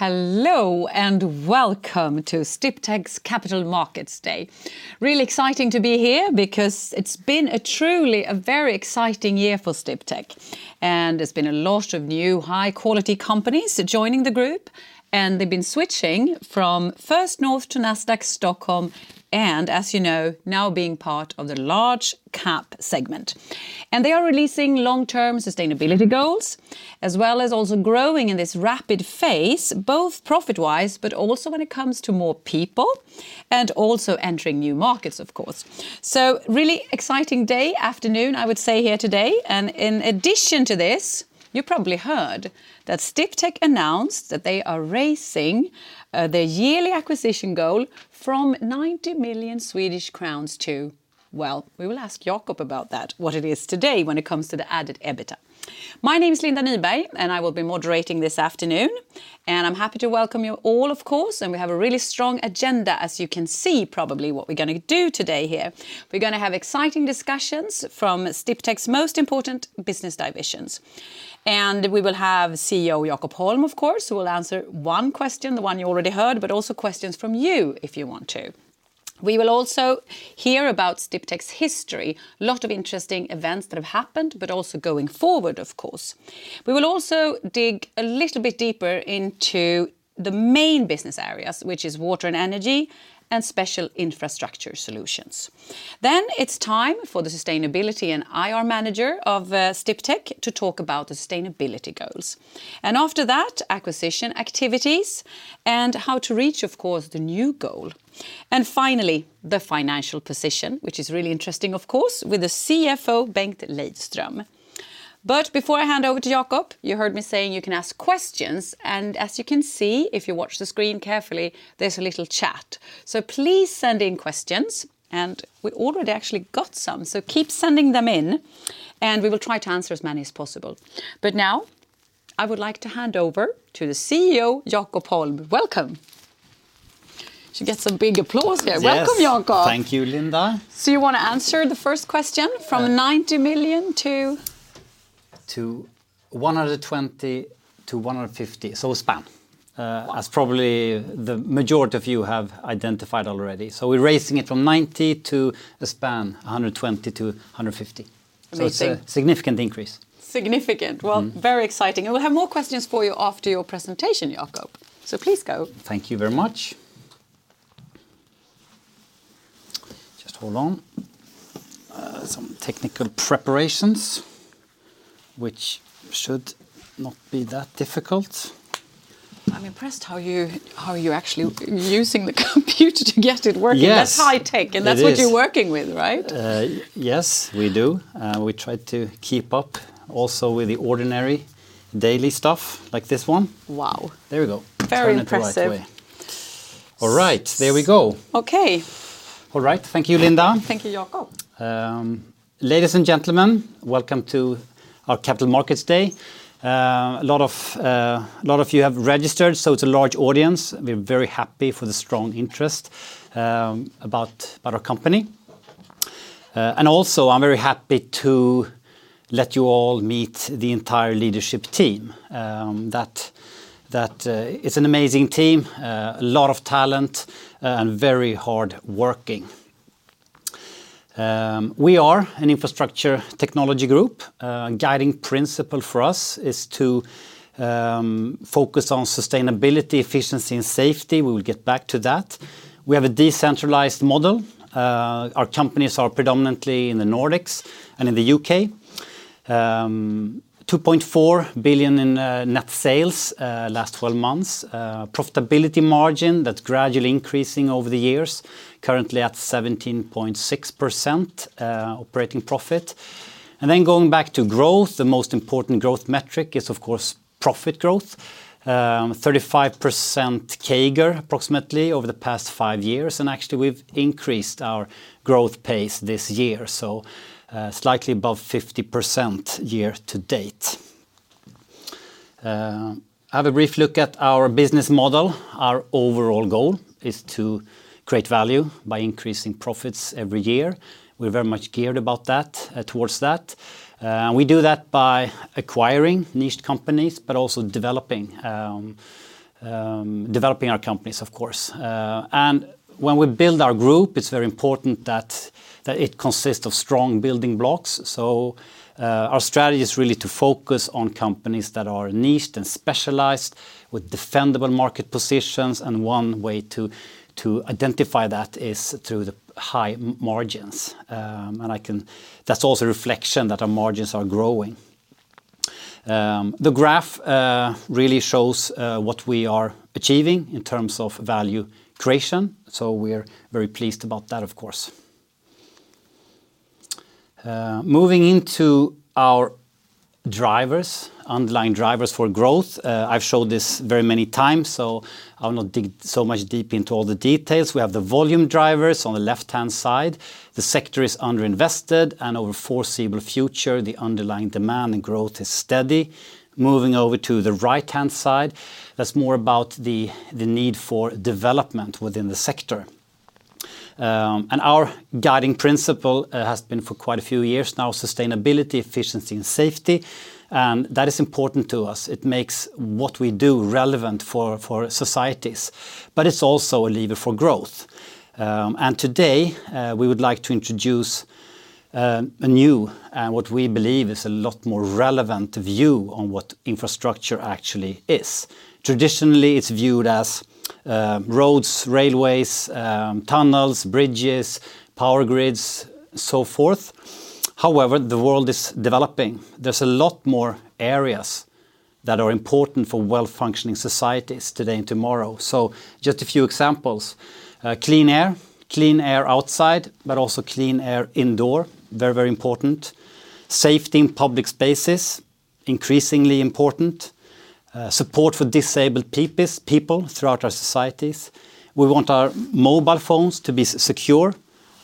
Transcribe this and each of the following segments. Hello, welcome to Sdiptech's Capital Markets Day. Really exciting to be here because it's been truly a very exciting year for Sdiptech. There's been a lot of new high-quality companies joining the group, and they've been switching from First North to Nasdaq Stockholm, and as you know, now being part of the large cap segment. They are releasing long-term sustainability goals, as well as also growing in this rapid phase, both profit-wise, but also when it comes to more people, and also entering new markets, of course. Really exciting day, afternoon, I would say, here today. In addition to this, you probably heard that Sdiptech announced that they are raising their yearly acquisition goal from 90 million Swedish crowns to, well, we will ask Jakob about that, what it is today when it comes to the added EBITDA. My name is Linda Nyberg, and I will be moderating this afternoon, and I'm happy to welcome you all, of course, and we have a really strong agenda, as you can see probably what we're going to do today here. We're going to have exciting discussions from Sdiptech's most important business divisions. We will have CEO Jakob Holm, of course, who will answer one question, the one you already heard, but also questions from you if you want to. We will also hear about Sdiptech's history, a lot of interesting events that have happened, but also going forward, of course. We will also dig a little bit deeper into the main business areas, which is Water & Energy, and Special Infrastructure Solutions. It's time for the sustainability and IR manager of Sdiptech to talk about the sustainability goals. After that, acquisition activities and how to reach, of course, the new goal. Finally, the financial position, which is really interesting, of course, with the CFO, Bengt Lejdström. Before I hand over to Jakob, you heard me saying you can ask questions, and as you can see, if you watch the screen carefully, there's a little chat. Please send in questions, and we already actually got some, so keep sending them in, and we will try to answer as many as possible. Now, I would like to hand over to the CEO, Jakob Holm. Welcome. Should get some big applause here. Yes. Welcome, Jakob. Thank you, Linda. You want to answer the first question from 90 million to? To 120-150, a span, as probably the majority of you have identified already. We're raising it from 90 to a span, 120-150. Amazing. It's a significant increase. Significant. Well, very exciting. We'll have more questions for you after your presentation, Jakob. Please go. Thank you very much. Just hold on. Some technical preparations, which should not be that difficult. I'm impressed how you're actually using the computer to get it working. Yes. That's high tech. It is. That's what you're working with, right? Yes, we do. We try to keep up also with the ordinary daily stuff, like this one. Wow. There we go. Very impressive. Turn it the right way. All right, there we go. Okay. All right. Thank you, Linda. Thank you, Jakob. Ladies and gentlemen, welcome to our Capital Markets Day. A lot of you have registered. It's a large audience. We're very happy for the strong interest about our company. I'm very happy to let you all meet the entire leadership team. It's an amazing team, a lot of talent, and very hard working. We are an infrastructure technology group. A guiding principle for us is to focus on sustainability, efficiency, and safety. We will get back to that. We have a decentralized model. Our companies are predominantly in the Nordics and in the U.K. 2.4 billion in net sales last 12 months. Profitability margin, that's gradually increasing over the years, currently at 17.6% operating profit. Going back to growth, the most important growth metric is, of course, profit growth. 35% CAGR, approximately, over the past five years, and actually, we've increased our growth pace this year, so slightly above 50% year to date. Have a brief look at our business model. Our overall goal is to create value by increasing profits every year. We're very much geared towards that. We do that by acquiring niched companies, but also developing our companies, of course. When we build our group, it's very important that it consists of strong building blocks. Our strategy is really to focus on companies that are niched and specialized with defendable market positions, and one way to identify that is through the high margins. That's also a reflection that our margins are growing. The graph really shows what we are achieving in terms of value creation, so we're very pleased about that, of course. Moving into our underlying drivers for growth. I've showed this very many times, I will not dig so much deep into all the details. We have the volume drivers on the left-hand side. The sector is underinvested, over foreseeable future, the underlying demand and growth is steady. Moving over to the right-hand side, that is more about the need for development within the sector. Our guiding principle has been for quite a few years now, sustainability, efficiency, and safety. That is important to us. It makes what we do relevant for societies, It's also a lever for growth. Today, we would like to introduce a new, and what we believe is a lot more relevant view on what infrastructure actually is. Traditionally, it's viewed as roads, railways, tunnels, bridges, power grids, so forth. However, the world is developing. There's a lot more areas that are important for well-functioning societies today and tomorrow. Just a few examples. Clean air. Clean air outside, but also clean air indoors. Very important. Safety in public spaces, increasingly important. Support for disabled people throughout our societies. We want our mobile phones to be secure.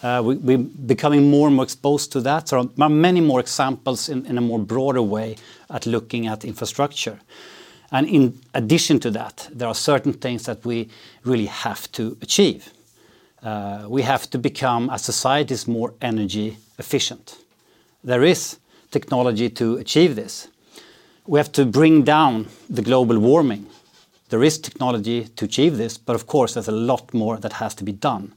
We're becoming more and more exposed to that. There are many more examples in a broader way at looking at infrastructure. In addition to that, there are certain things that we really have to achieve. We have to become, as societies, more energy efficient. There is technology to achieve this. We have to bring down global warming. There is technology to achieve this. Of course, there's a lot more that has to be done.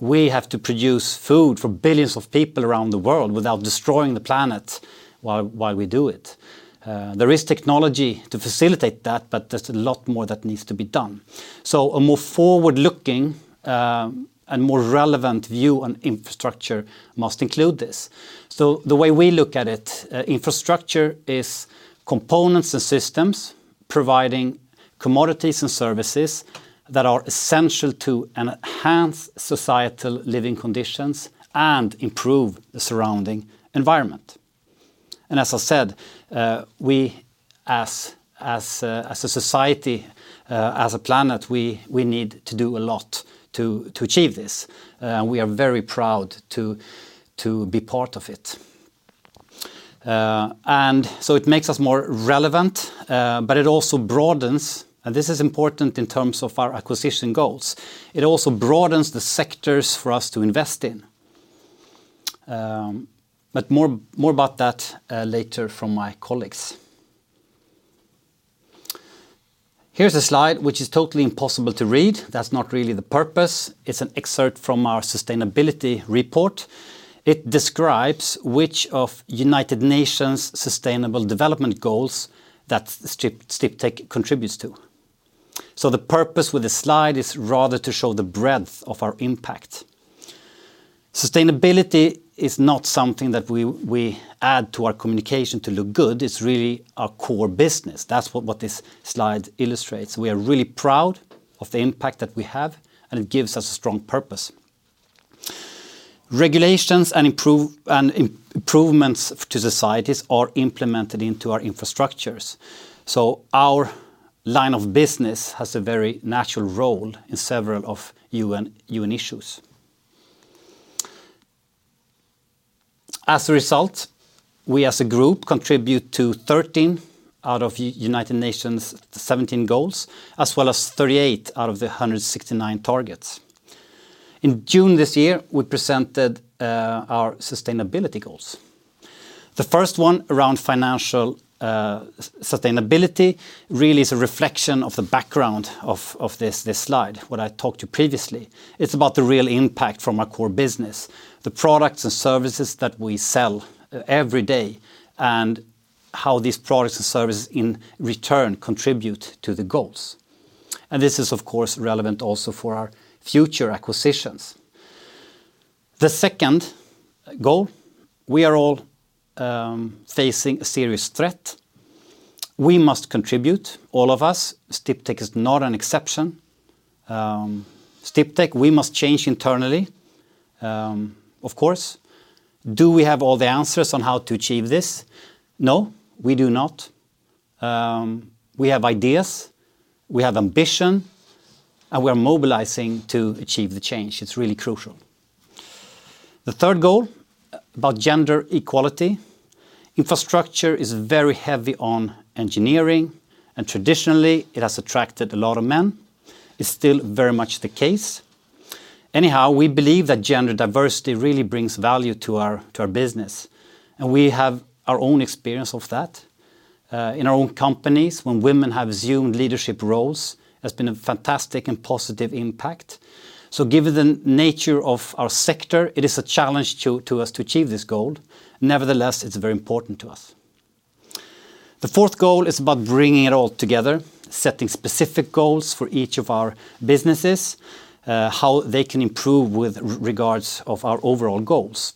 We have to produce food for billions of people around the world without destroying the planet while we do it. There is technology to facilitate that, but there's a lot more that needs to be done. A more forward-looking and more relevant view on infrastructure must include this. The way we look at it, infrastructure is components and systems providing commodities and services that are essential to enhance societal living conditions and improve the surrounding environment. As I said, we as a society, as a planet, we need to do a lot to achieve this. We are very proud to be part of it. It makes us more relevant, but it also broadens, and this is important in terms of our acquisition goals. It also broadens the sectors for us to invest in. More about that later from my colleagues. Here's a slide which is totally impossible to read. That's not really the purpose. It's an excerpt from our sustainability report. It describes which of United Nations Sustainable Development Goals that Sdiptech contributes to. The purpose with the slide is rather to show the breadth of our impact. Sustainability is not something that we add to our communication to look good. It's really our core business. That's what this slide illustrates. We are really proud of the impact that we have, and it gives us a strong purpose. Regulations and improvements to societies are implemented into our infrastructures. Our line of business has a very natural role in several of United Nations issues. As a result, we as a group contribute to 13 out of United Nations' 17 goals, as well as 38 out of the 169 targets. In June this year, we presented our sustainability goals. The first one around financial sustainability really is a reflection of the background of this slide, what I talked to previously. It's about the real impact from our core business, the products and services that we sell every day, and how these products and services in return contribute to the goals. This is, of course, relevant also for our future acquisitions. The second goal, we are all facing a serious threat. We must contribute, all of us. Sdiptech is not an exception. Sdiptech, we must change internally, of course. Do we have all the answers on how to achieve this? No, we do not. We have ideas, we have ambition, and we are mobilizing to achieve the change. It's really crucial. The third goal, about gender equality. Infrastructure is very heavy on engineering, traditionally, it has attracted a lot of men. It's still very much the case. Anyhow, we believe that gender diversity really brings value to our business, we have our own experience of that. In our own companies when women have assumed leadership roles, it has been a fantastic and positive impact. Given the nature of our sector, it is a challenge to us to achieve this goal. Nevertheless, it's very important to us. The fourth goal is about bringing it all together, setting specific goals for each of our businesses, how they can improve with regards of our overall goals.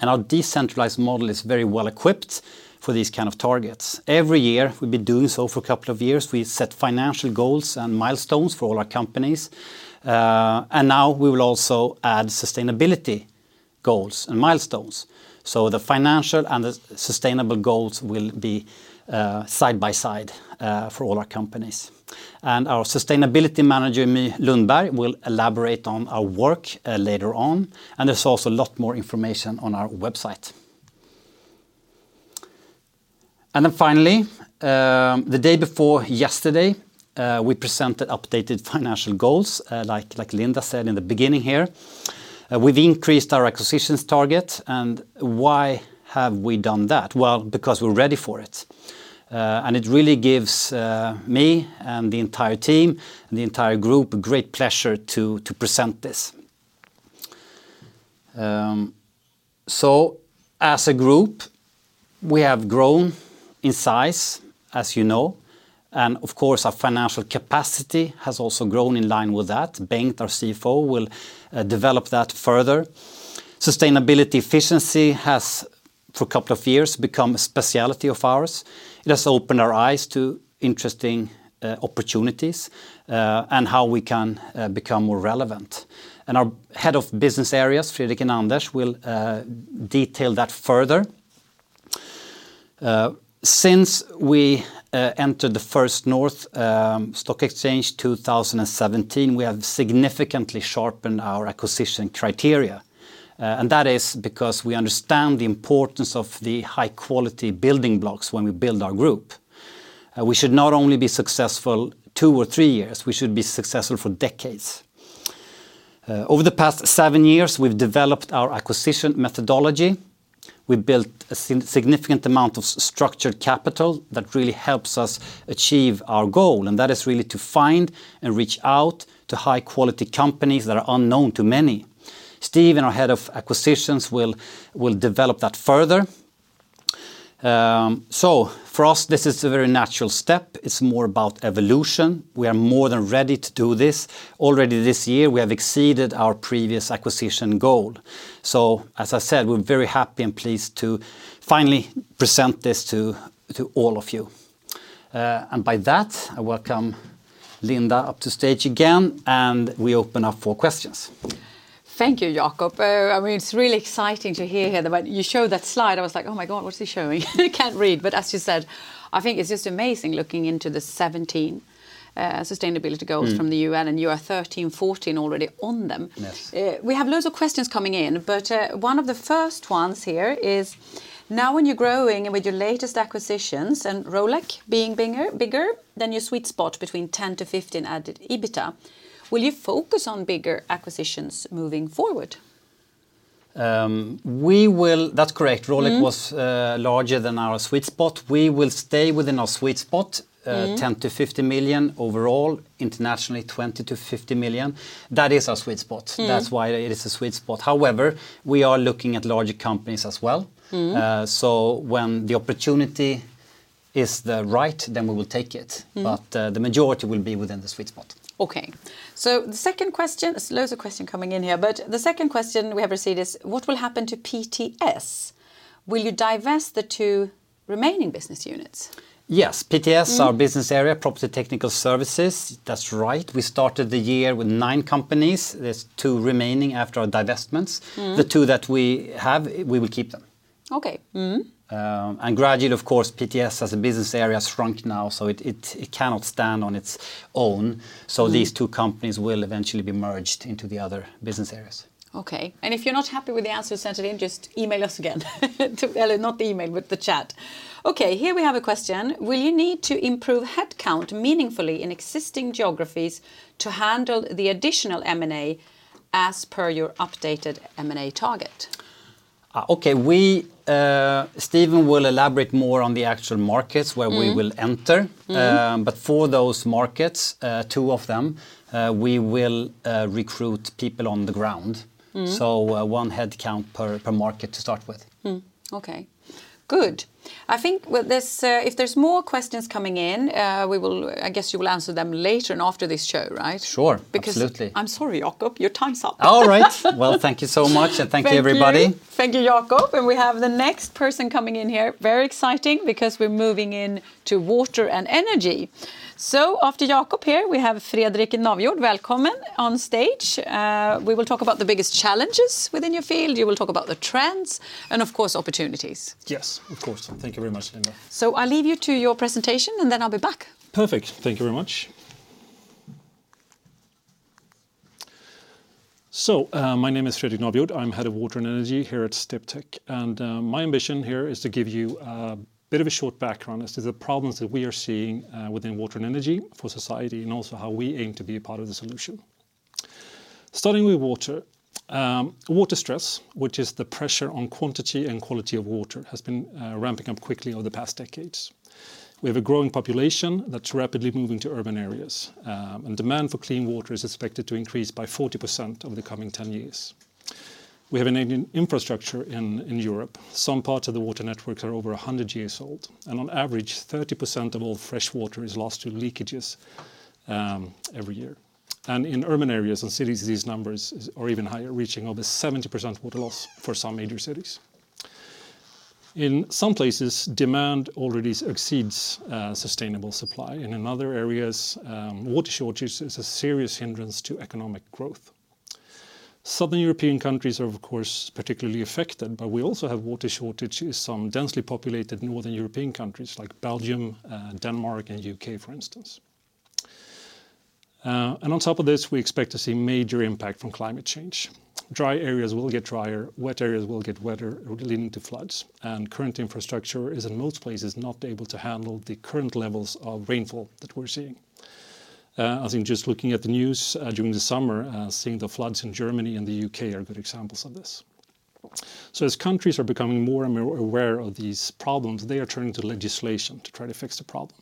Our decentralized model is very well-equipped for these kind of targets. Every year, we've been doing so for a couple of years, we set financial goals and milestones for all our companies. Now we will also add sustainability goals and milestones. The financial and the sustainable goals will be side by side for all our companies. Our Sustainability Manager, My Lundberg, will elaborate on our work later on, and there's also a lot more information on our website. Then finally, the day before yesterday, we presented updated financial goals, like Linda said in the beginning here. We've increased our acquisitions target. Why have we done that? Well, because we're ready for it. It really gives me and the entire team, and the entire group, great pleasure to present this. As a group, we have grown in size, as you know, and of course, our financial capacity has also grown in line with that. Bengt, our CFO, will develop that further. Sustainability efficiency has, for a couple of years, become a specialty of ours. It has opened our eyes to interesting opportunities and how we can become more relevant. Our Head of Business Areas, Fredrik and Anders, will detail that further. Since we entered the First North stock exchange, 2017, we have significantly sharpened our acquisition criteria. That is because we understand the importance of the high-quality building blocks when we build our group. We should not only be successful two or three years, we should be successful for decades. Over the past seven years, we've developed our acquisition methodology. We've built a significant amount of structured capital that really helps us achieve our goal, and that is really to find and reach out to high-quality companies that are unknown to many. Steve and our Head of Acquisitions will develop that further. For us, this is a very natural step. It's more about evolution. We are more than ready to do this. Already this year, we have exceeded our previous acquisition goal. As I said, we're very happy and pleased to finally present this to all of you. By that, I welcome Linda up to stage again, and we open up for questions. Thank you, Jakob. It's really exciting to hear here. When you showed that slide, I was like, "Oh my God, what's he showing?" I can't read. As you said, I think it's just amazing looking into the 17 Sustainability Goals from the UN, and you are 13, 14 already on them. Yes. We have loads of questions coming in, but one of the first ones here is, now when you're growing and with your latest acquisitions and Rolec being bigger than your sweet spot between 10-15 added EBITDA, will you focus on bigger acquisitions moving forward? That's correct. Rolec was larger than our sweet spot. We will stay within our sweet spot, 10 million-50 million overall, internationally, 20 million-50 million. That is our sweet spot. That's why it is a sweet spot. However, we are looking at larger companies as well. When the opportunity is right, then we will take it. The majority will be within the sweet spot. Okay. The second question, there's loads of questions coming in here, but the second question we have received is what will happen to PTS? Will you divest the two remaining business units? Yes. PTS, our business area, Property Technical Services, that's right. We started the year with nine companies. There's two remaining after our divestments. The two that we have, we will keep them. Okay. Mm-hmm. Gradually, of course, PTS as a business area has shrunk now, so it cannot stand on its own. These two companies will eventually be merged into the other business areas. Okay. If you're not happy with the answer you sent in, just email us again. Not email, but the chat. Okay. Here we have a question. Will you need to improve headcount meaningfully in existing geographies to handle the additional M&A as per your updated M&A target? Okay. Steven will elaborate more on the actual markets where we will enter. For those markets, two of them, we will recruit people on the ground. One headcount per market to start with. Okay. Good. I think if there's more questions coming in, I guess you will answer them later and after this show, right? Sure. Absolutely. I'm sorry, Jakob, your time's up. All right. Well, thank you so much. Thank you, everybody. Thank you, Jakob. We have the next person coming in here. Very exciting, because we're moving into Water & Energy. After Jakob here, we have Fredrik Navjord. Welcome on stage. We will talk about the biggest challenges within your field. You will talk about the trends and of course, opportunities. Yes, of course. Thank you very much, Linda. I'll leave you to your presentation, and then I'll be back. Perfect. Thank you very much. My name is Fredrik Navjord. I'm Head of Water & Energy here at Sdiptech, and my ambition here is to give you a bit of a short background as to the problems that we are seeing within Water & Energy for society, and also how we aim to be a part of the solution. Starting with water. Water stress, which is the pressure on quantity and quality of water, has been ramping up quickly over the past decades. We have a growing population that's rapidly moving to urban areas. Demand for clean water is expected to increase by 40% over the coming 10 years. We have an aging infrastructure in Europe. Some parts of the water networks are over 100 years old. On average, 30% of all freshwater is lost to leakages every year. In urban areas and cities, these numbers are even higher, reaching over 70% water loss for some major cities. In some places, demand already exceeds sustainable supply, and in other areas, water shortage is a serious hindrance to economic growth. Southern European countries are, of course, particularly affected, but we also have water shortages in some densely populated Northern European countries like Belgium, Denmark, and U.K., for instance. On top of this, we expect to see major impact from climate change. Dry areas will get drier, wet areas will get wetter, leading to floods. Current infrastructure is in most places not able to handle the current levels of rainfall that we're seeing. I think just looking at the news during the summer, seeing the floods in Germany and the U.K. are good examples of this. As countries are becoming more and more aware of these problems, they are turning to legislation to try to fix the problem,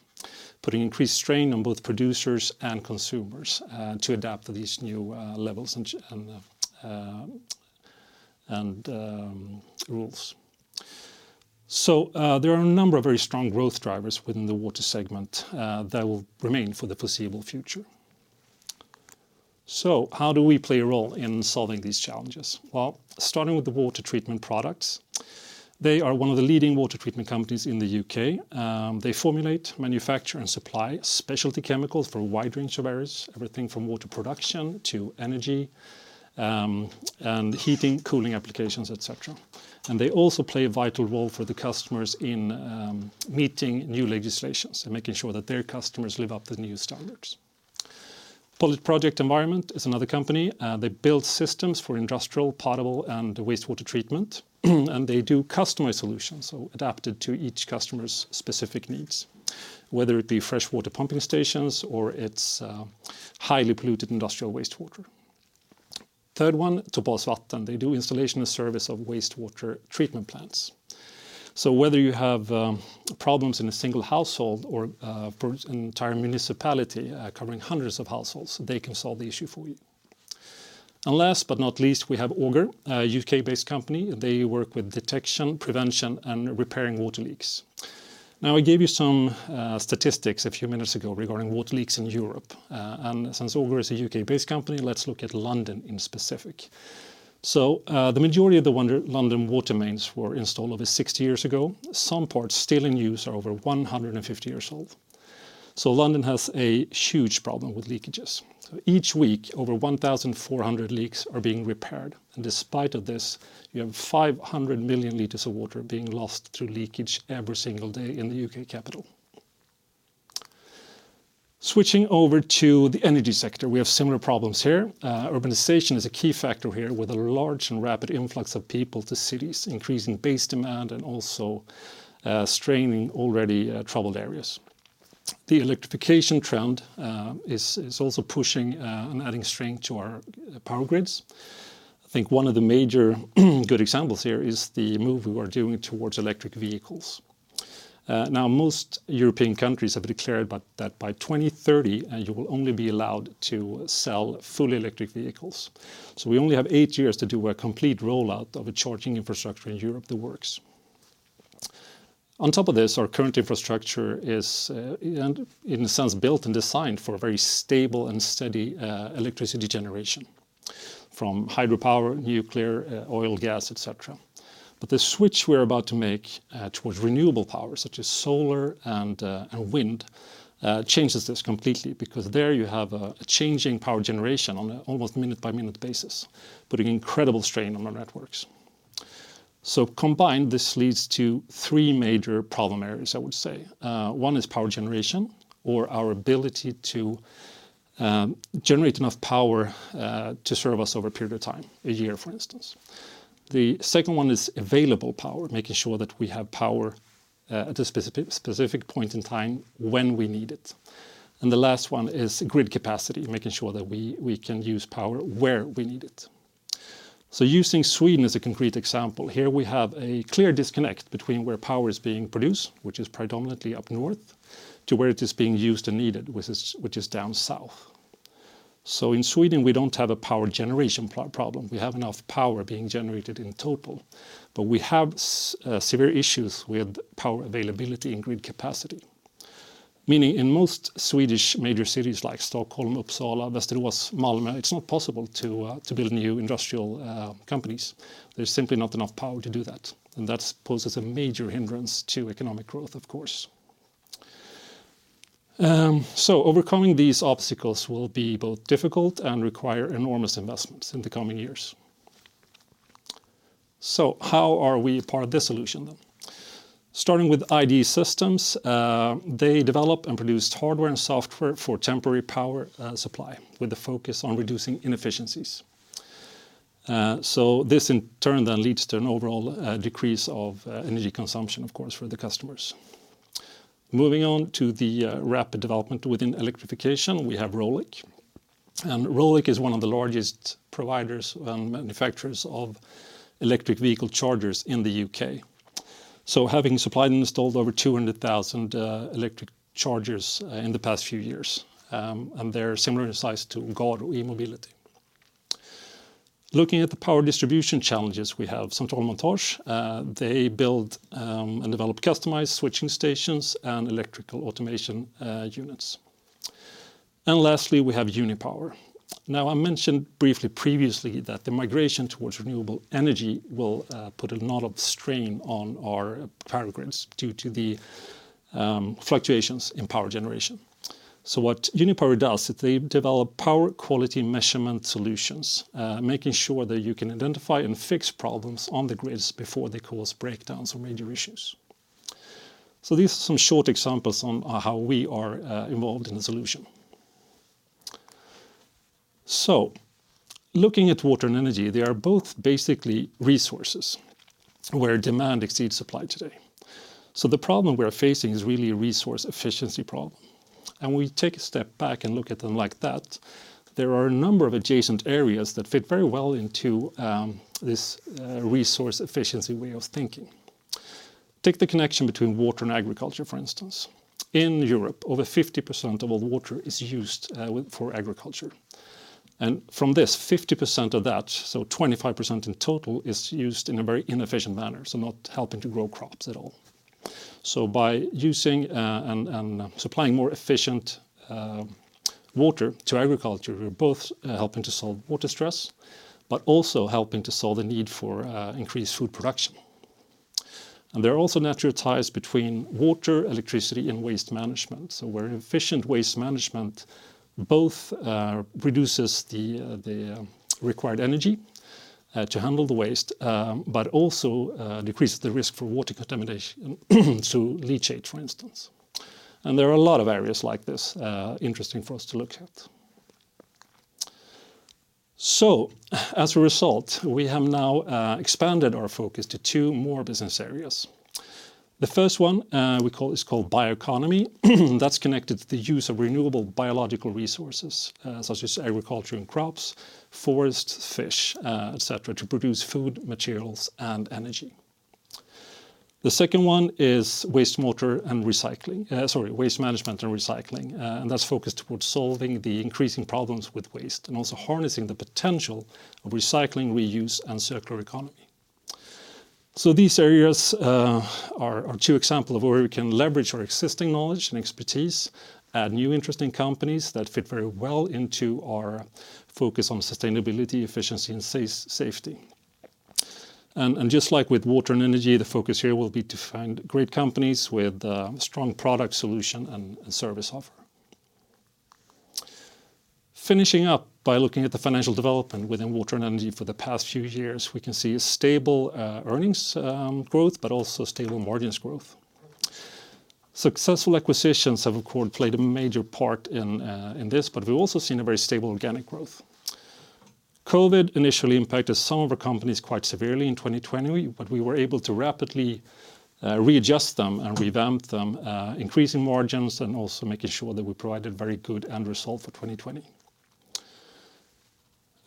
putting increased strain on both producers and consumers to adapt to these new levels and rules. There are a number of very strong growth drivers within the water segment that will remain for the foreseeable future. How do we play a role in solving these challenges? Starting with the Water Treatment Products, they are one of the leading water treatment companies in the U.K. They formulate, manufacture, and supply specialty chemicals for a wide range of areas, everything from water production to energy, and heating, cooling applications, et cetera. They also play a vital role for the customers in meeting new legislations and making sure that their customers live up to the new standards. Polyproject Environment is another company. They build systems for industrial, potable, and wastewater treatment, and they do customized solutions, adapted to each customer's specific needs, whether it be freshwater pumping stations or it is highly polluted industrial wastewater. Third one, Topas Vatten. They do installation and service of wastewater treatment plants. Whether you have problems in a single household or for an entire municipality covering hundreds of households, they can solve the issue for you. Last but not least, we have Auger, a U.K.-based company. They work with detection, prevention, and repairing water leaks. Now, I gave you some statistics a few minutes ago regarding water leaks in Europe. Since Auger is a U.K.-based company, let's look at London in specific. The majority of the London water mains were installed over 60 years ago. Some parts still in use are over 150 years old. London has a huge problem with leakages. Each week, over 1,400 leaks are being repaired. Despite of this, you have 500 million liters of water being lost through leakage every single day in the U.K. capital. Switching over to the energy sector, we have similar problems here. Urbanization is a key factor here with a large and rapid influx of people to cities, increasing base demand and also straining already troubled areas. The electrification trend is also pushing and adding strain to our power grids. I think one of the major good examples here is the move we are doing towards electric vehicles. Now, most European countries have declared that by 2030, you will only be allowed to sell fully electric vehicles. We only have eight years to do a complete rollout of a charging infrastructure in Europe that works. On top of this, our current infrastructure is, in a sense, built and designed for a very stable and steady electricity generation, from hydropower, nuclear, oil, gas, et cetera. The switch we're about to make towards renewable power, such as solar and wind, changes this completely because there you have a changing power generation on an almost minute-by-minute basis, putting incredible strain on our networks. Combined, this leads to three major problem areas, I would say. One is power generation or our ability to generate enough power to serve us over a period of time, a year, for instance. The second one is available power, making sure that we have power at a specific point in time when we need it. The last one is grid capacity, making sure that we can use power where we need it. Using Sweden as a concrete example, here we have a clear disconnect between where power is being produced, which is predominantly up north, to where it is being used and needed, which is down south. In Sweden, we don't have a power generation problem. We have enough power being generated in total, but we have severe issues with power availability and grid capacity. Meaning in most Swedish major cities like Stockholm, Uppsala, Västerås, Malmö, it's not possible to build new industrial companies. There's simply not enough power to do that, and that poses a major hindrance to economic growth, of course. Overcoming these obstacles will be both difficult and require enormous investments in the coming years. How are we part of the solution then? Starting with IDE Systems, they develop and produce hardware and software for temporary power supply with the focus on reducing inefficiencies. This in turn then leads to an overall decrease of energy consumption, of course, for the customers. Moving on to the rapid development within electrification, we have Rolec. Rolec is one of the largest providers and manufacturers of electric vehicle chargers in the U.K., so having supplied and installed over 200,000 electric chargers in the past few years, and they're similar in size to Garo eMobility. Looking at the power distribution challenges, we have Centralmontage. They build and develop customized switching stations and electrical automation units. Lastly, we have Unipower. Now, I mentioned briefly previously that the migration towards renewable energy will put a lot of strain on our power grids due to the fluctuations in power generation. What Unipower does is they develop power quality measurement solutions, making sure that you can identify and fix problems on the grids before they cause breakdowns or major issues. These are some short examples on how we are involved in the solution. Looking at water and energy, they are both basically resources where demand exceeds supply today. The problem we are facing is really a resource efficiency problem. When we take a step back and look at them like that, there are a number of adjacent areas that fit very well into this resource efficiency way of thinking. Take the connection between water and agriculture, for instance. In Europe, over 50% of all water is used for agriculture, and from this, 50% of that, so 25% in total, is used in a very inefficient manner, so not helping to grow crops at all. By using and supplying more efficient water to agriculture, we're both helping to solve water stress, but also helping to solve the need for increased food production. There are also natural ties between water, electricity, and waste management. Where efficient waste management both reduces the required energy to handle the waste, but also decreases the risk for water contamination to leachate, for instance. There are a lot of areas like this interesting for us to look at. As a result, we have now expanded our focus to two more business areas. The first one is called bioeconomy that's connected to the use of renewable biological resources such as agriculture and crops, forest, fish, et cetera, to produce food, materials, and energy. The second one is waste management and recycling. That's focused towards solving the increasing problems with waste and also harnessing the potential of recycling, reuse, and circular economy. These areas are two example of where we can leverage our existing knowledge and expertise, add new interesting companies that fit very well into our focus on sustainability, efficiency, and safety. Just like with water and energy, the focus here will be to find great companies with a strong product solution and service offer. Finishing up by looking at the financial development within water and energy for the past few years, we can see a stable earnings growth, but also stable margins growth. Successful acquisitions have, of course, played a major part in this, but we've also seen a very stable organic growth. COVID initially impacted some of our companies quite severely in 2020, but we were able to rapidly readjust them and revamp them, increasing margins and also making sure that we provided very good end result for 2020.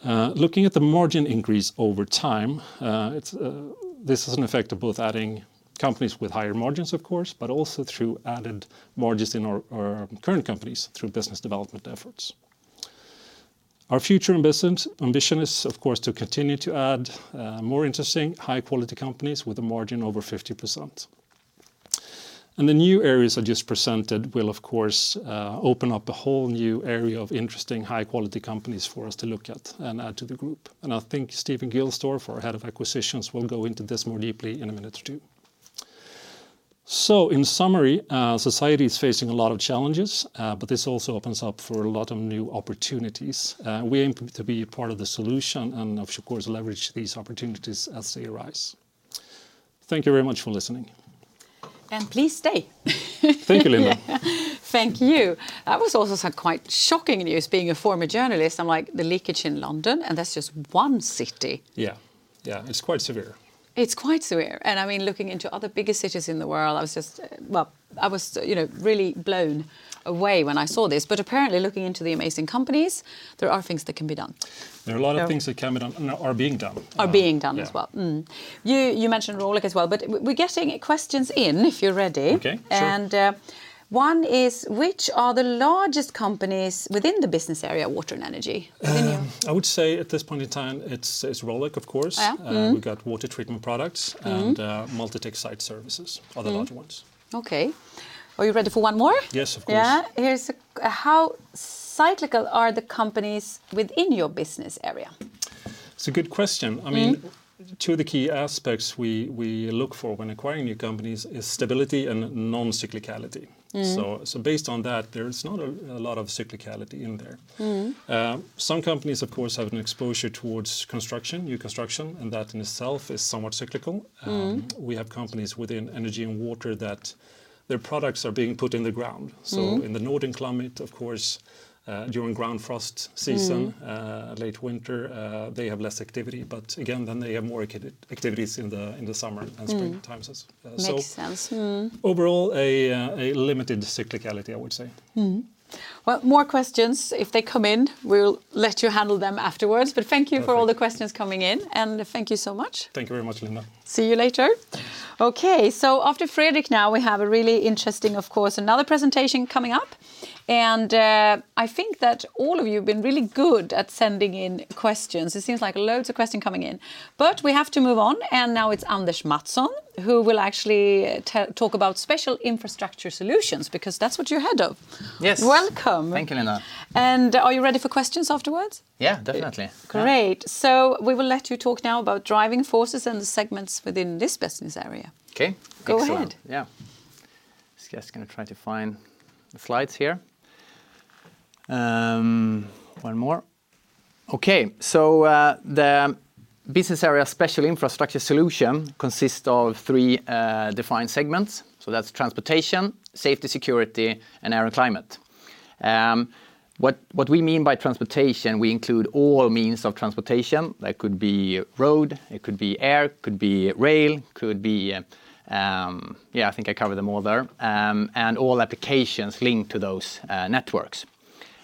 Looking at the margin increase over time, this is an effect of both adding companies with higher margins, of course, but also through added margins in our current companies through business development efforts. Our future ambition is, of course, to continue to add more interesting high-quality companies with a margin over 50%. The new areas I just presented will, of course, open up a whole new area of interesting high-quality companies for us to look at and add to the group. I think Steven Gilsdorf, our Head of Acquisitions, will go into this more deeply in a minute or two. In summary, society is facing a lot of challenges, but this also opens up for a lot of new opportunities. We aim to be a part of the solution and of course, leverage these opportunities as they arise. Thank you very much for listening. Please stay. Thank you, Linda. Thank you. That was also some quite shocking news being a former journalist, I'm like, the leakage in London, and that's just one city. Yeah. It's quite severe. It's quite severe. Looking into other bigger cities in the world, I was really blown away when I saw this. Apparently looking into the amazing companies, there are things that can be done. There are a lot of things that can be done and are being done. Are being done as well. Mm-hmm. Yeah. You mentioned Rolec as well. We're getting questions in, if you're ready. Okay. Sure. One is, which are the largest companies within the business area, Water & Energy within you? I would say at this point in time, it's Rolec, of course. Yeah. Mm-hmm. We've got Water Treatment Products and Multitech Site Services are the large ones. Okay. Are you ready for one more? Yes, of course. Yeah. How cyclical are the companies within your business area? It's a good question. Two of the key aspects we look for when acquiring new companies is stability and non-cyclicality. Based on that, there's not a lot of cyclicality in there. Some companies, of course, have an exposure towards new construction, and that in itself is somewhat cyclical. We have companies within energy and water that their products are being put in the ground. In the northern climate, of course, during ground frost season. Late winter, they have less activity, but again, then they have more activities in the summer and spring times. Makes sense. Mm-hmm. Overall, a limited cyclicality, I would say. Well, more questions if they come in, we will let you handle them afterwards. Thank you for all the questions coming in. Thank you so much. Thank you very much, Linda. See you later. Okay, after Fredrik now, we have a really interesting, of course, another presentation coming up. I think that all of you have been really good at sending in questions. It seems like loads of questions coming in. We have to move on. Now it's Anders Mattson, who will actually talk about Special Infrastructure Solutions, because that's what you're head of. Yes. Welcome. Thank you, Linda. Are you ready for questions afterwards? Yeah, definitely. Great. We will let you talk now about driving forces and the segments within this business area. Okay. Excellent. Go ahead. Yeah. Just going to try to find the slides here. One more. Okay. The business area Special Infrastructure Solutions consists of three defined segments. That's transportation, safety, security, and air and climate. What we mean by transportation, we include all means of transportation. That could be road, it could be air, could be rail, could be Yeah, I think I covered them all there, and all applications linked to those networks.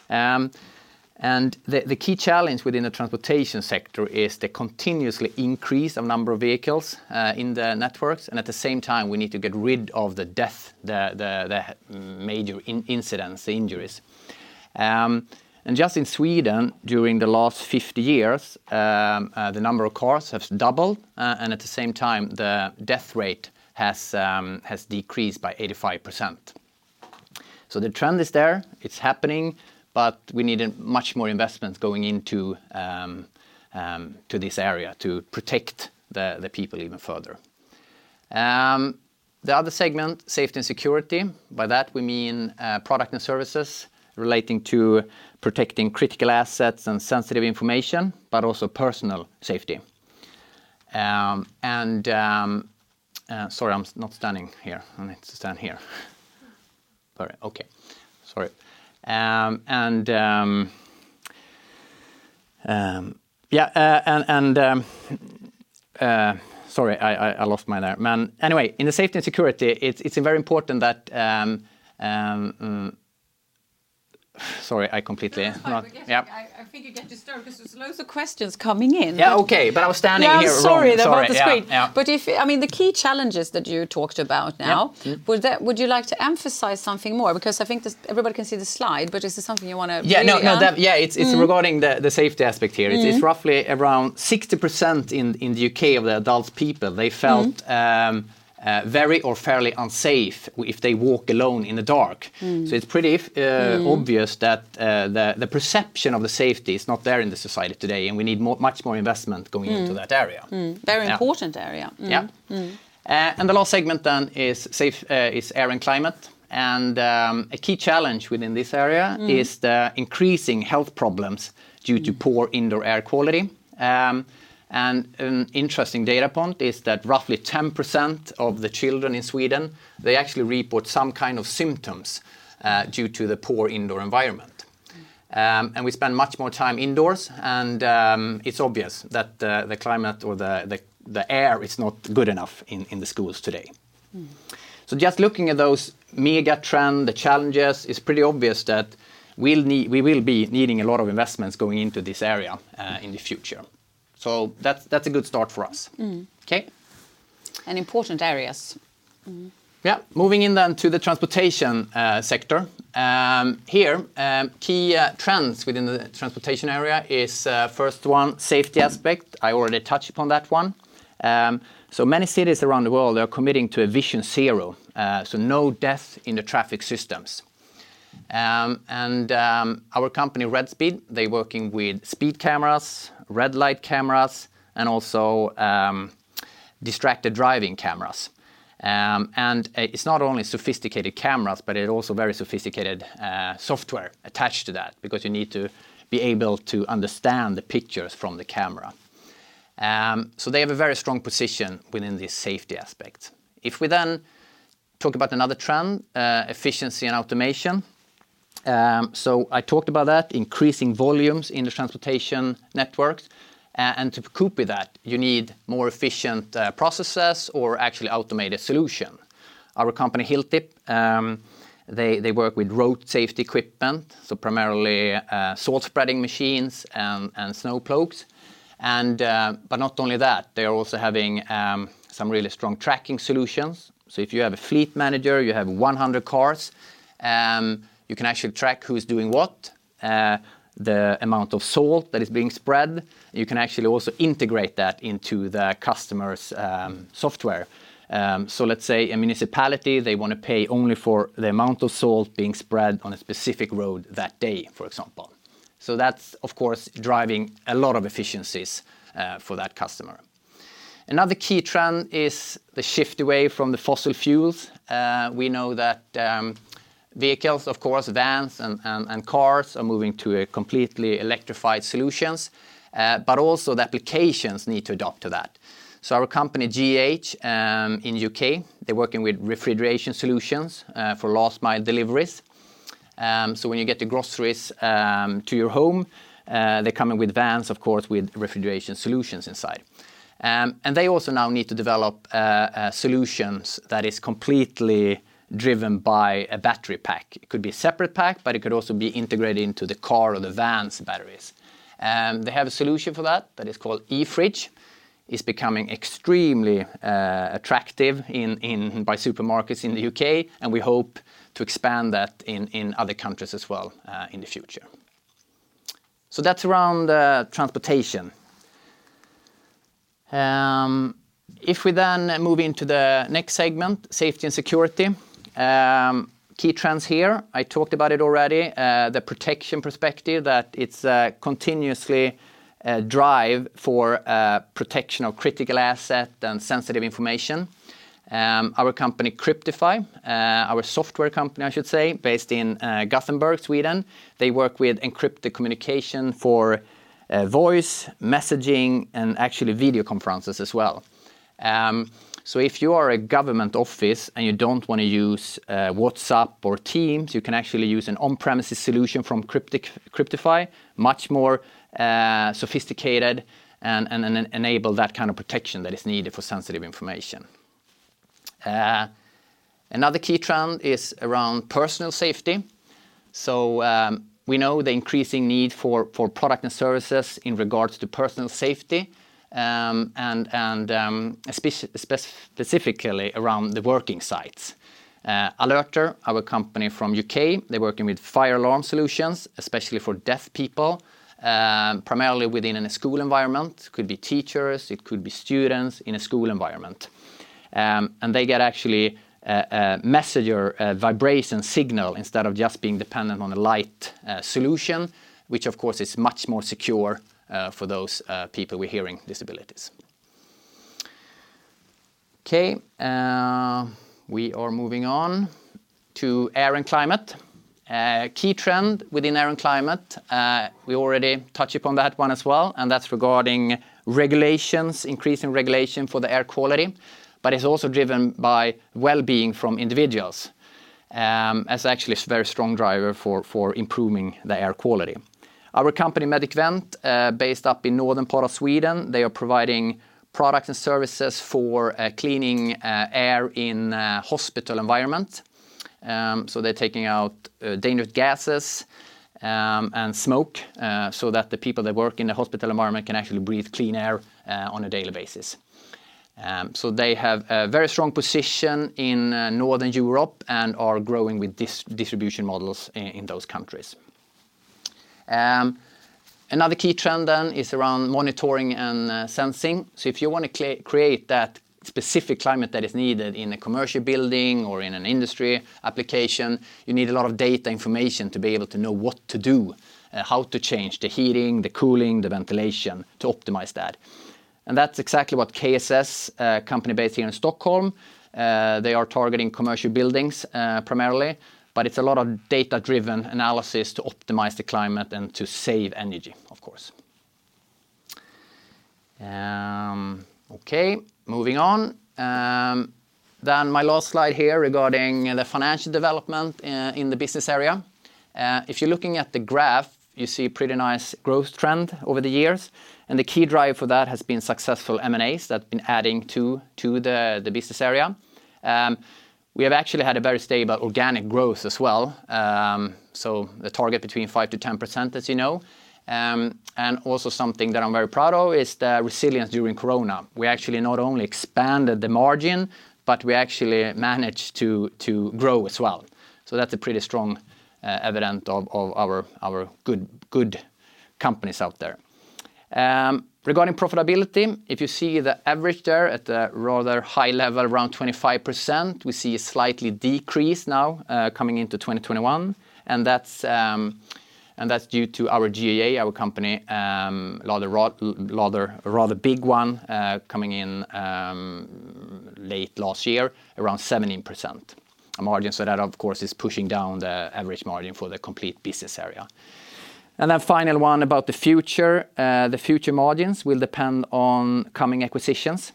The key challenge within the transportation sector is the continuously increase of number of vehicles in the networks, and at the same time, we need to get rid of the death, the major incidents, the injuries. Just in Sweden, during the last 50 years, the number of cars has doubled, and at the same time, the death rate has decreased by 85%. The trend is there, it's happening, but we need much more investments going into this area to protect the people even further. The other segment, safety and security. By that, we mean product and services relating to protecting critical assets and sensitive information, but also personal safety. Sorry, I'm not standing here. I need to stand here. Sorry. Okay. Sorry. Yeah. Sorry, I lost my train there. Anyway, in safety and security, it's very important that. Sorry. No, I forget. Yeah. I think you get disturbed because there's loads of questions coming in. Yeah, okay. I was standing here wrong. No, sorry about the screen. Sorry. Yeah. The key challenges that you talked about now. Yeah, mm-hmm. Would you like to emphasize something more? I think everybody can see the slide, but is there something you want to really. Yeah. No. Yeah. It's regarding the safety aspect here. It's roughly around 60% in the U.K. of the adult people they felt very or fairly unsafe if they walk alone in the dark. It's pretty obvious that the perception of the safety is not there in the society today, and we need much more investment going into that area. Yeah. Very important area. Mm-hmm. Yeah. The last segment is air and climate, and a key challenge within this area. Is the increasing health problems due to poor indoor air quality. An interesting data point is that roughly 10% of the children in Sweden, they actually report some kind of symptoms due to the poor indoor environment. We spend much more time indoors, and it's obvious that the climate or the air is not good enough in the schools today. Just looking at those mega trends, the challenges, it's pretty obvious that we will be needing a lot of investments going into this area in the future. That's a good start for us. Okay. Important areas. Yeah. Moving in to the transportation sector. Here, key trends within the transportation area is, first, one, safety aspect. I already touched upon that one. Many cities around the world are committing to a Vision Zero, so no death in the traffic systems. Our company, RedSpeed, they're working with speed cameras, red light cameras, and also distracted driving cameras. It's not only sophisticated cameras, but it also very sophisticated software attached to that because you need to be able to understand the pictures from the camera. They have a very strong position within this safety aspect. If we talk about another trend, efficiency and automation. I talked about that, increasing volumes in the transportation networks. To cope with that, you need more efficient processes or actually automated solution. Our company, Hilltip, they work with road safety equipment, so primarily salt spreading machines and snow plows. Not only that, they are also having some really strong tracking solutions. If you have a fleet manager, you have 100 cars, you can actually track who's doing what, the amount of salt that is being spread, and you can actually also integrate that into the customer's software. Let's say a municipality, they want to pay only for the amount of salt being spread on a specific road that day, for example. That's, of course, driving a lot of efficiencies for that customer. Another key trend is the shift away from the fossil fuels. We know that vehicles, of course, vans and cars, are moving to completely electrified solutions, but also the applications need to adapt to that. Our company, GAH, in U.K., they're working with refrigeration solutions for last mile deliveries. When you get the groceries to your home, they come in with vans, of course, with refrigeration solutions inside. They also now need to develop solutions that is completely driven by a battery pack. It could be a separate pack, but it could also be integrated into the car or the van's batteries. They have a solution for that is called E-Fridge. It's becoming extremely attractive by supermarkets in the U.K., and we hope to expand that in other countries as well in the future. That's around transportation. If we then move into the next segment, safety and security. Key trends here, I talked about it already, the protection perspective that it's continuously drive for protection of critical asset and sensitive information. Our company Cryptify, our software company, I should say, based in Gothenburg, Sweden, they work with encrypted communication for voice messaging and actually video conferences as well. If you are a government office and you don't want to use WhatsApp or Teams, you can actually use an on-premises solution from Cryptify, much more sophisticated and enable that kind of protection that is needed for sensitive information. Another key trend is around personal safety. We know the increasing need for product and services in regards to personal safety, and specifically around the working sites. Alerter, our company from U.K., they're working with fire alarm solutions, especially for deaf people, primarily within a school environment. It could be teachers, it could be students in a school environment. They get actually a messenger vibration signal instead of just being dependent on a light solution, which of course is much more secure for those people with hearing disabilities. Okay. We are moving on to air and climate. A key trend within air and climate, we already touched upon that one as well, and that's regarding regulations, increasing regulation for the air quality, but it's also driven by well-being from individuals. Actually it's a very strong driver for improving the air quality. Our company Medicvent, based up in northern part of Sweden, they are providing products and services for cleaning air in hospital environment. They're taking out dangerous gases and smoke so that the people that work in the hospital environment can actually breathe clean air on a daily basis. They have a very strong position in Northern Europe and are growing with distribution models in those countries. Another key trend is around monitoring and sensing. If you want to create that specific climate that is needed in a commercial building or in an industry application, you need a lot of data information to be able to know what to do, how to change the heating, the cooling, the ventilation to optimize that. That's exactly what KSS, a company based here in Stockholm, they are targeting commercial buildings primarily. It's a lot of data-driven analysis to optimize the climate and to save energy, of course. Okay, moving on. My last slide here regarding the financial development in the business area. If you're looking at the graph, you see pretty nice growth trend over the years. The key driver for that has been successful M&As that have been adding to the business area. We have actually had a very stable organic growth as well. The target between 5%-10%, as you know. Also something that I'm very proud of is the resilience during COVID. We actually not only expanded the margin, but we actually managed to grow as well. That's a pretty strong evidence of our good companies out there. Regarding profitability, if you see the average there at the rather high level, around 25%, we see a slight decrease now coming into 2021. That's due to our GAH, our company, a rather big one, coming in late last year, around 17% margin. That of course is pushing down the average margin for the complete business area. Final one about the future. The future margins will depend on coming acquisitions.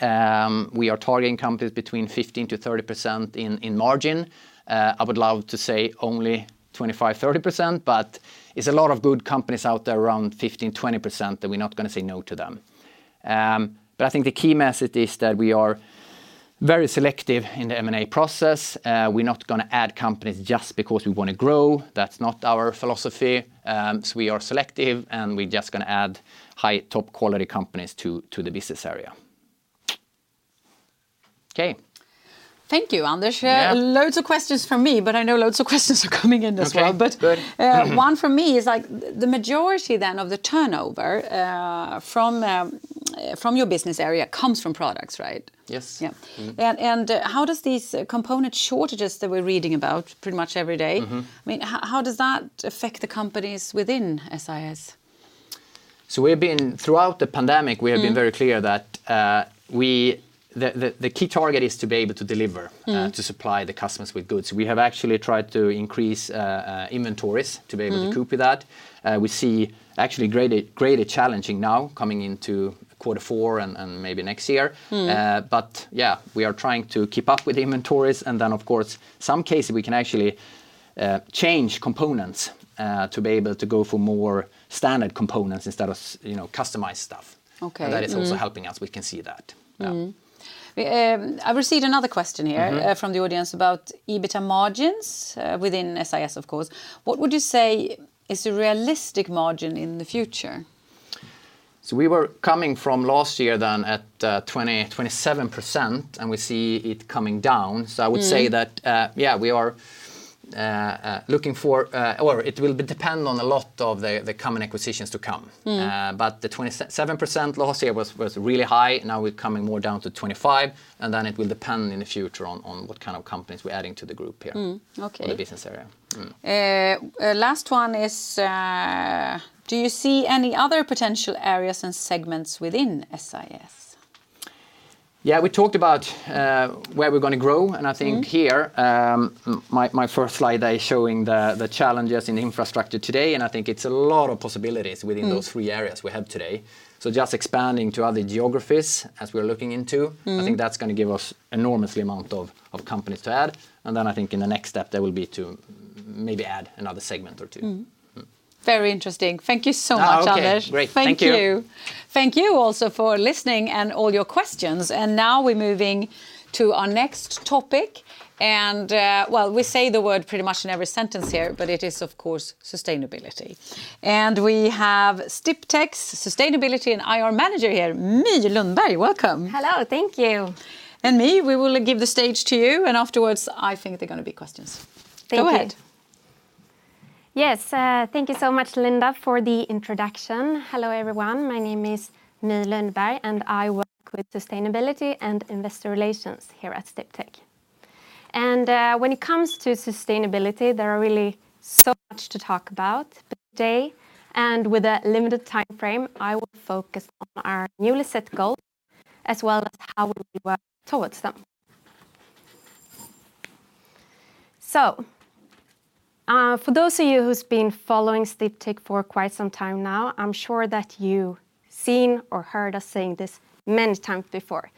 We are targeting companies between 15%-30% in margin. I would love to say only 25%, 30%, but it's a lot of good companies out there around 15%, 20% that we're not going to say no to them. I think the key message is that we are very selective in the M&A process. We're not going to add companies just because we want to grow. That's not our philosophy. We are selective, and we just going to add high top quality companies to the business area. Okay. Thank you, Anders. Yeah. Loads of questions from me, but I know loads of questions are coming in as well. Okay, good. One from me is like, the majority then of the turnover from your business area comes from products, right? Yes. Yeah. How does these component shortages that we're reading about pretty much every day? I mean, how does that affect the companies within SIS? Throughout the pandemic, we have been very clear that the key target is to be able to deliver. To supply the customers with goods. We have actually tried to increase inventories. To cope with that. We see actually greater challenges now coming into quarter four and maybe next year. Yeah, we are trying to keep up with inventories, and then of course, some cases, we can actually change components to be able to go for more standard components instead of customized stuff. Okay. That is also helping us. We can see that now. I've received another question here. From the audience about EBITDA margins within SIS, of course. What would you say is a realistic margin in the future? We were coming from last year then at 27%, and we see it coming down. I would say that. Yeah, it will depend on a lot of the common acquisitions to come. The 27% last year was really high. Now we're coming more down to 25%. It will depend in the future on what kind of companies we're adding to the group here. Okay. The business area. Last one is, do you see any other potential areas and segments within SIS? Yeah, we talked about where we're going to grow. I think here, my first slide is showing the challenges in infrastructure today, and I think it's a lot of possibilities within those three areas we have today. Just expanding to other geographies as we're looking into. I think that's going to give us enormous amount of companies to add. Then I think in the next step there will be to maybe add another segment or two. Very interesting. Thank you so much, Anders. Okay, great. Thank you. Thank you. Thank you also for listening and all your questions. Now we're moving to our next topic. Well, we say the word pretty much in every sentence here, but it is of course, sustainability. We have Sdiptech's Sustainability and IR Manager here, My Lundberg. Welcome. Hello. Thank you. My, we will give the stage to you, and afterwards, I think there are going to be questions. Thank you. Go ahead. Thank you so much, Linda, for the introduction. Hello, everyone. My name is My Lundberg, I work with sustainability and investor relations here at Sdiptech. When it comes to sustainability, there are really so much to talk about today. With a limited timeframe, I will focus on our newly set goal, as well as how we work towards them. For those of you who's been following Sdiptech for quite some time now, I'm sure that you seen or heard us saying this many times before,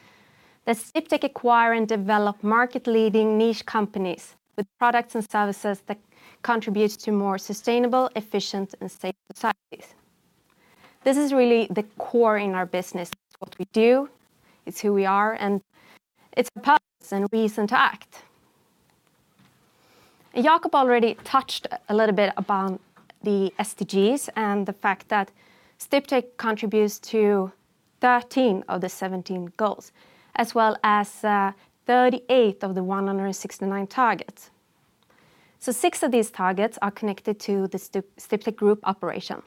that Sdiptech acquire and develop market leading niche companies with products and services that contributes to more sustainable, efficient, and safe societies. This is really the core in our business. It's what we do, it's who we are, and it's a purpose and reason to act. Jakob already touched a little bit upon the SDGs and the fact that Sdiptech contributes to 13 of the 17 goals, as well as 38 of the 169 targets. Six of these targets are connected to the Sdiptech group operation.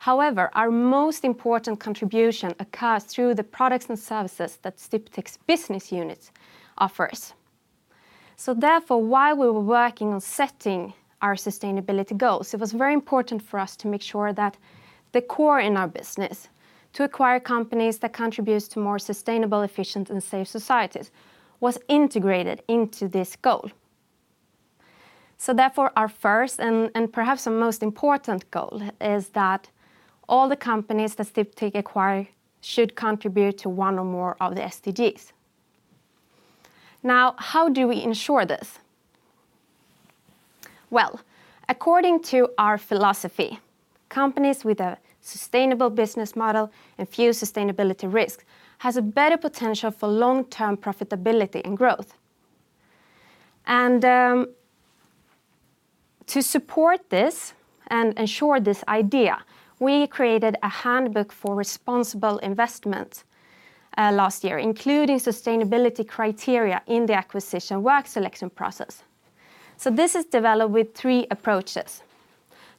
However, our most important contribution occurs through the products and services that Sdiptech's business units offers. Therefore, while we were working on setting our sustainability goals, it was very important for us to make sure that the core in our business to acquire companies that contributes to more sustainable, efficient, and safe societies was integrated into this goal. Therefore, our first and perhaps the most important goal is that all the companies that Sdiptech acquire should contribute to one or more of the SDGs. How do we ensure this? Well, according to our philosophy, companies with a sustainable business model and few sustainability risks has a better potential for long-term profitability and growth. To support this and ensure this idea, we created a handbook for responsible investment last year, including sustainability criteria in the acquisition work selection process. This is developed with three approaches.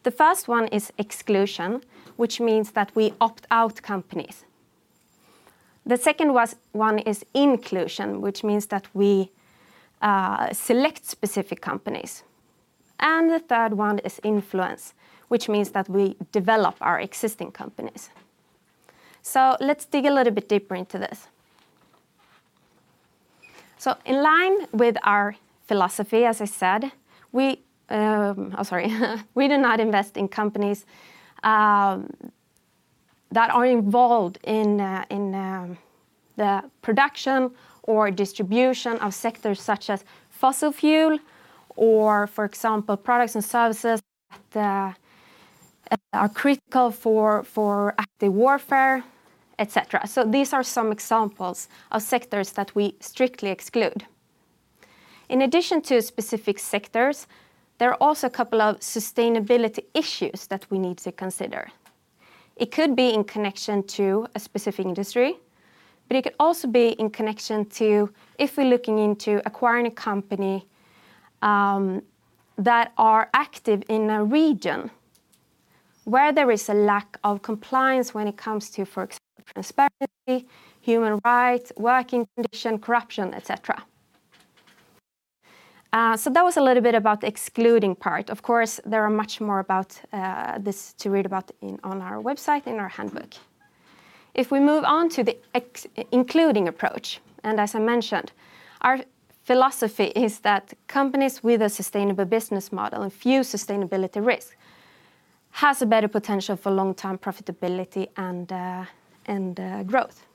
The first one is exclusion, which means that we opt out companies. The second one is inclusion, which means that we select specific companies. The third one is influence, which means that we develop our existing companies. Let's dig a little bit deeper into this. In line with our philosophy, as I said, we—oh, sorry. We do not invest in companies that are involved in the production or distribution of sectors such as fossil fuel or, for example, products and services that are critical for active warfare, et cetera. These are some examples of sectors that we strictly exclude. In addition to specific sectors, there are also a couple of sustainability issues that we need to consider. It could be in connection to a specific industry, but it could also be in connection to if we are looking into acquiring a company that are active in a region where there is a lack of compliance when it comes to, for example, transparency, human rights, working conditions, corruption, et cetera. That was a little bit about the excluding part. Of course, there is much more about this to read about on our website, in our handbook. If we move on to the including approach, and as I mentioned, our philosophy is that companies with a sustainable business model and few sustainability risks, have a better potential for long-term profitability and growth.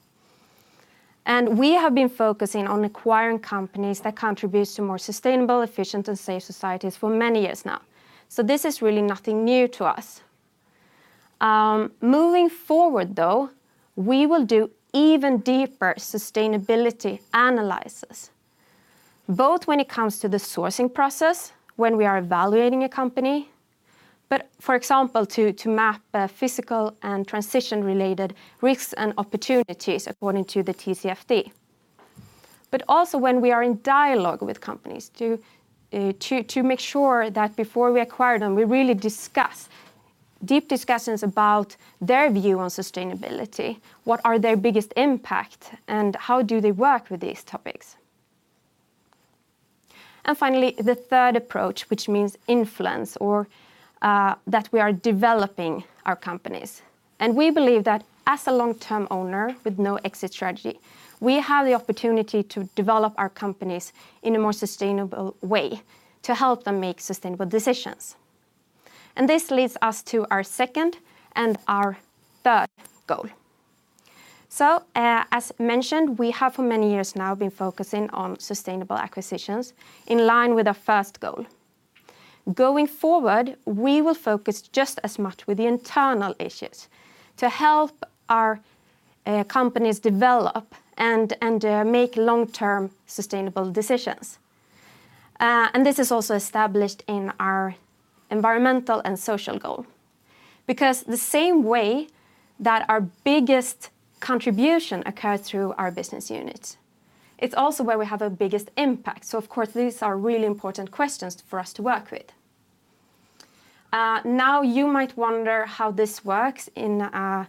We have been focusing on acquiring companies that contributes to more sustainable, efficient, and safe societies for many years now. This is really nothing new to us. Moving forward though, we will do even deeper sustainability analysis, both when it comes to the sourcing process when we are evaluating a company. For example, to map physical and transition-related risks and opportunities according to the TCFD. Also when we are in dialogue with companies to make sure that before we acquire them, we really discuss deep discussions about their view on sustainability, what are their biggest impact, and how do they work with these topics. Finally, the third approach, which means influence, or that we are developing our companies. We believe that as a long-term owner with no exit strategy, we have the opportunity to develop our companies in a more sustainable way to help them make sustainable decisions. This leads us to our second and our third goal. As mentioned, we have for many years now, been focusing on sustainable acquisitions in line with our first goal. Going forward, we will focus just as much with the internal issues to help our companies develop and make long-term sustainable decisions. This is also established in our environmental and social goal. Because the same way that our biggest contribution occurs through our business units, it's also where we have our biggest impact. Of course, these are really important questions for us to work with. Now you might wonder how this works in a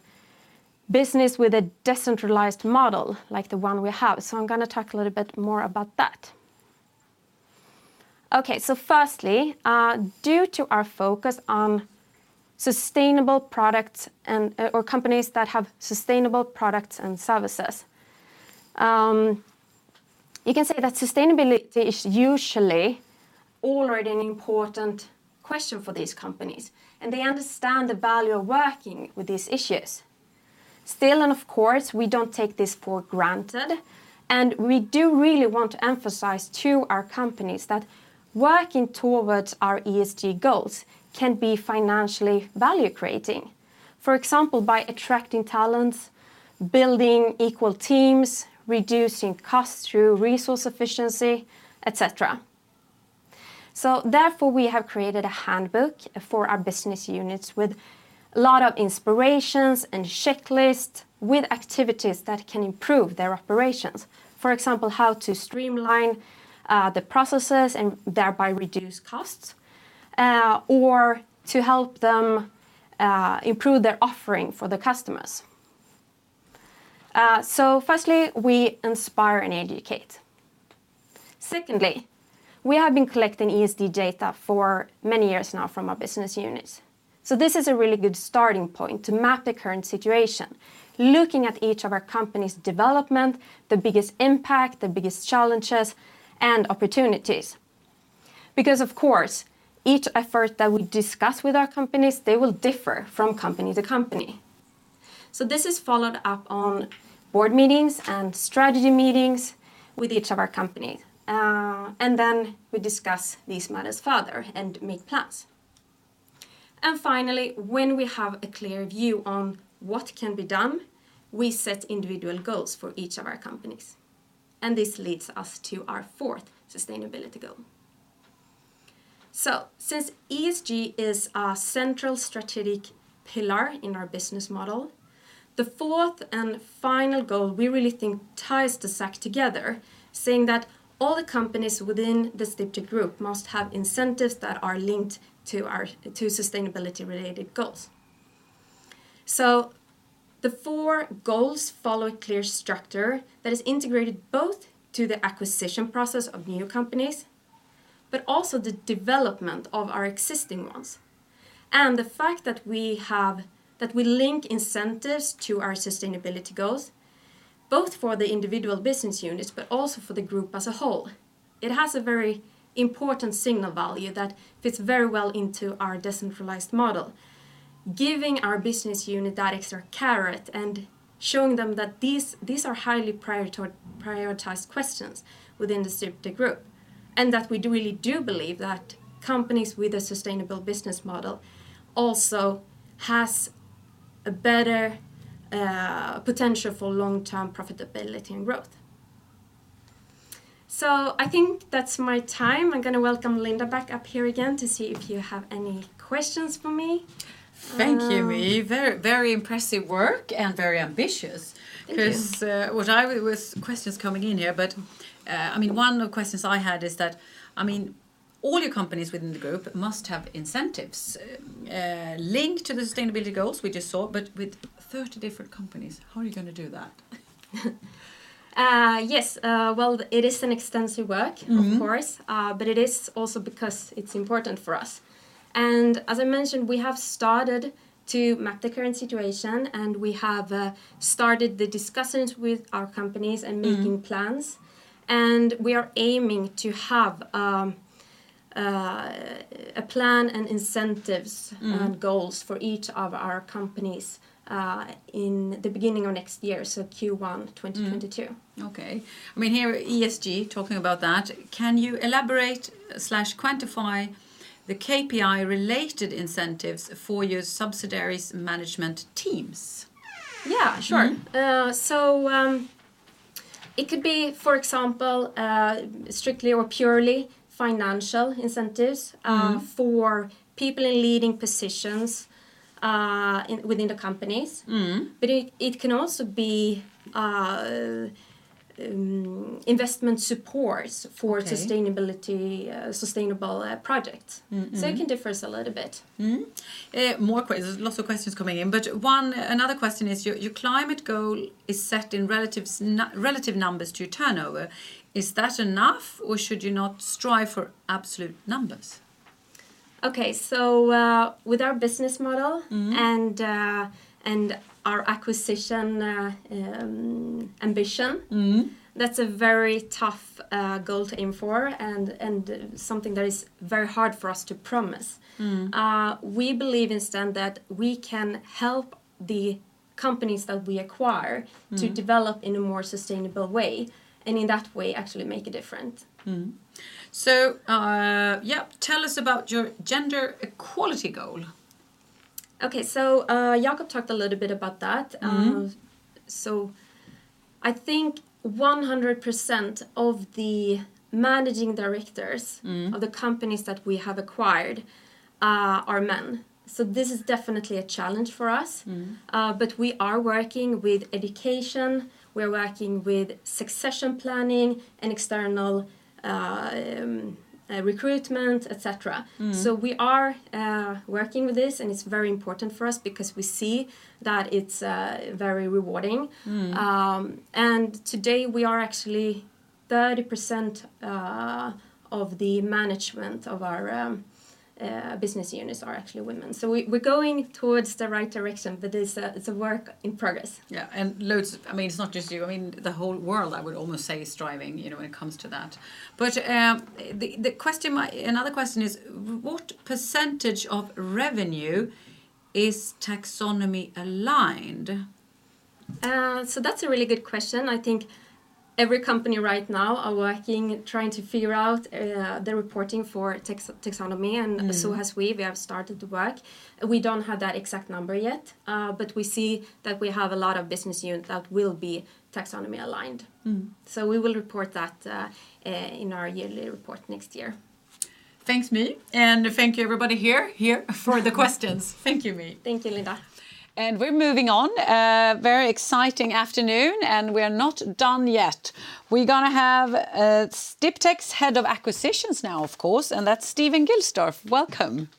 business with a decentralized model like the one we have. I'm going to talk a little bit more about that. Firstly, due to our focus on sustainable products or companies that have sustainable products and services, you can say that sustainability is usually already an important question for these companies, and they understand the value of working with these issues. Still and of course, we don't take this for granted, and we do really want to emphasize to our companies that working towards our ESG goals can be financially value-creating. For example, by attracting talent, building equal teams, reducing costs through resource efficiency, et cetera. Therefore, we have created a handbook for our business units with a lot of inspirations and checklists with activities that can improve their operations. For example, how to streamline the processes and thereby reduce costs, or to help them improve their offering for the customers. Firstly, we inspire and educate. Secondly, we have been collecting ESG data for many years now from our business units. This is a really good starting point to map the current situation, looking at each of our company's development, the biggest impact, the biggest challenges, and opportunities. Of course, each effort that we discuss with our companies, they will differ from company to company. This is followed up on board meetings and strategy meetings with each of our companies. We discuss these matters further and make plans. Finally, when we have a clear view on what can be done, we set individual goals for each of our companies. This leads us to our fourth sustainability goal. Since ESG is a central strategic pillar in our business model, the fourth and final goal we really think ties the sack together, saying that all the companies within the Sdiptech Group must have incentives that are linked to sustainability-related goals. The four goals follow a clear structure that is integrated both to the acquisition process of new companies, but also the development of our existing ones. The fact that we link incentives to our sustainability goals, both for the individual business units, but also for the group as a whole. It has a very important signal value that fits very well into our decentralized model, giving our business unit that extra carrot and showing them that these are highly prioritized questions within the Sdiptech Group, and that we really do believe that companies with a sustainable business model also has a better potential for long-term profitability and growth. I think that's my time. I'm going to welcome Linda back up here again to see if you have any questions for me. Thank you, My. Very impressive work and very ambitious. Thank you. Questions coming in here, but one of the questions I had is that all your companies within the group must have incentives linked to the sustainability goals we just saw, but with 30 different companies, how are you going to do that? Yes. Well, it is an extensive work, of course, but it is also because it's important for us. As I mentioned, we have started to map the current situation, and we have started the discussions with our companies and making plans. We are aiming to have a plan and incentives- Goals for each of our companies in the beginning of next year, so Q1 2022. Okay. Here, ESG, talking about that, can you elaborate/quantify the KPI-related incentives for your subsidiaries' management teams? Yeah, sure. It could be, for example, strictly or purely financial incentives. For people in leading positions within the companies. It can also be investment support. Okay. for sustainable projects. It can differ a little bit. Mm-hmm. More questions. There's lots of questions coming in, but another question is, your climate goal is set in relative numbers to turnover. Is that enough, or should you not strive for absolute numbers? Okay. With our business model and our acquisition ambition. That's a very tough goal to aim for and something that is very hard for us to promise. We believe instead that we can help the companies that we acquire to develop in a more sustainable way, and in that way, actually make a difference. Tell us about your gender equality goal. Okay. Jakob talked a little bit about that. I think 100% of the managing directors of the companies that we have acquired are men, so this is definitely a challenge for us. We are working with education, we're working with succession planning and external recruitment, et cetera. We are working with this, and it's very important for us because we see that it's very rewarding. Today, we are actually 30% of the management of our business units are actually women. We are going towards the right direction, but it's a work in progress. Yeah. It's not just you. The whole world, I would almost say, is striving when it comes to that. Another question is, what percentage of revenue is taxonomy-aligned? That's a really good question. I think every company right now are working, trying to figure out the reporting for Taxonomy, and so has we. We have started the work. We don't have that exact number yet, but we see that we have a lot of business units that will be Taxonomy-aligned. We will report that in our yearly report next year. Thanks, My, and thank you everybody here for the questions. Thank you, My. Thank you, Linda. We're moving on. Very exciting afternoon, and we're not done yet. We're going to have Sdiptech's Head of Acquisitions now, of course, and that's Steven Gilsdorf. Welcome.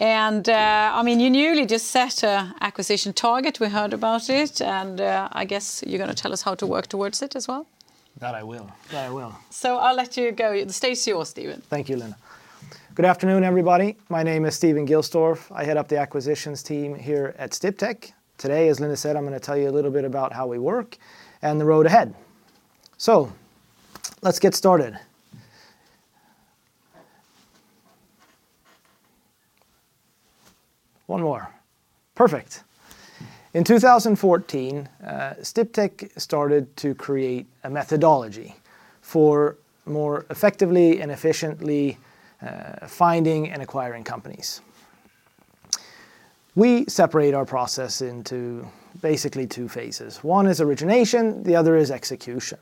You newly just set a acquisition target. We heard about it, and I guess you're going to tell us how to work towards it as well. That I will. I'll let you go. The stage is yours, Steven. Thank you, Linda. Good afternoon, everybody. My name is Steven Gilsdorf. I Head up the Acquisitions team here at Sdiptech. Today, as Linda said, I'm going to tell you a little bit about how we work and the road ahead. Let's get started. One more. Perfect. In 2014, Sdiptech started to create a methodology for more effectively and efficiently finding and acquiring companies. We separate our process into basically two phases. One is origination, the other is execution.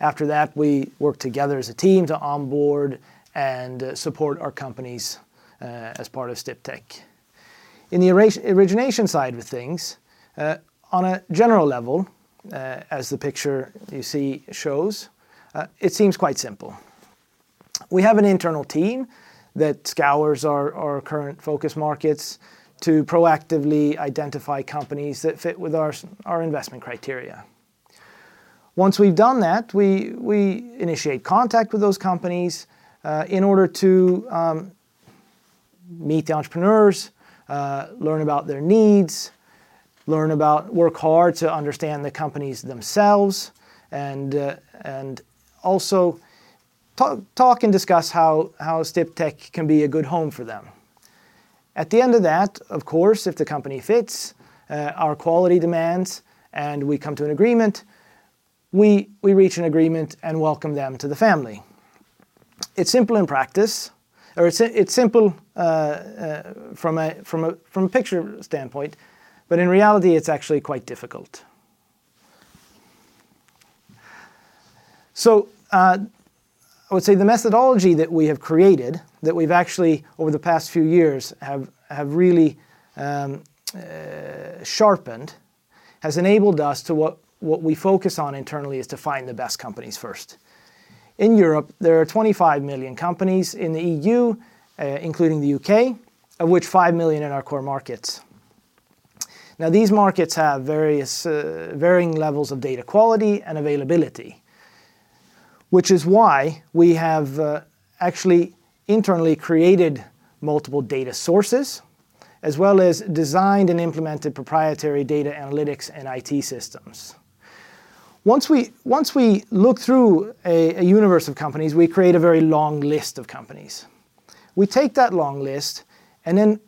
After that, we work together as a team to onboard and support our companies as part of Sdiptech. In the origination side of things, on a general level, as the picture you see shows, it seems quite simple. We have an internal team that scours our current focus markets to proactively identify companies that fit with our investment criteria. Once we've done that, we initiate contact with those companies in order to meet the entrepreneurs, learn about their needs, work hard to understand the companies themselves, and also talk and discuss how Sdiptech can be a good home for them. At the end of that, of course, if the company fits our quality demands, and we come to an agreement, we reach an agreement and welcome them to the family. It's simple from a picture standpoint, but in reality, it's actually quite difficult. I would say the methodology that we have created, that we've actually over the past few years have really sharpened, has enabled us to what we focus on internally is to find the best companies first. In Europe, there are 25 million companies in the EU, including the U.K., of which 5 million are in our core markets. Now, these markets have varying levels of data quality and availability, which is why we have actually internally created multiple data sources, as well as designed and implemented proprietary data analytics and IT systems. Once we look through a universe of companies, we create a very long list of companies. We take that long list, and then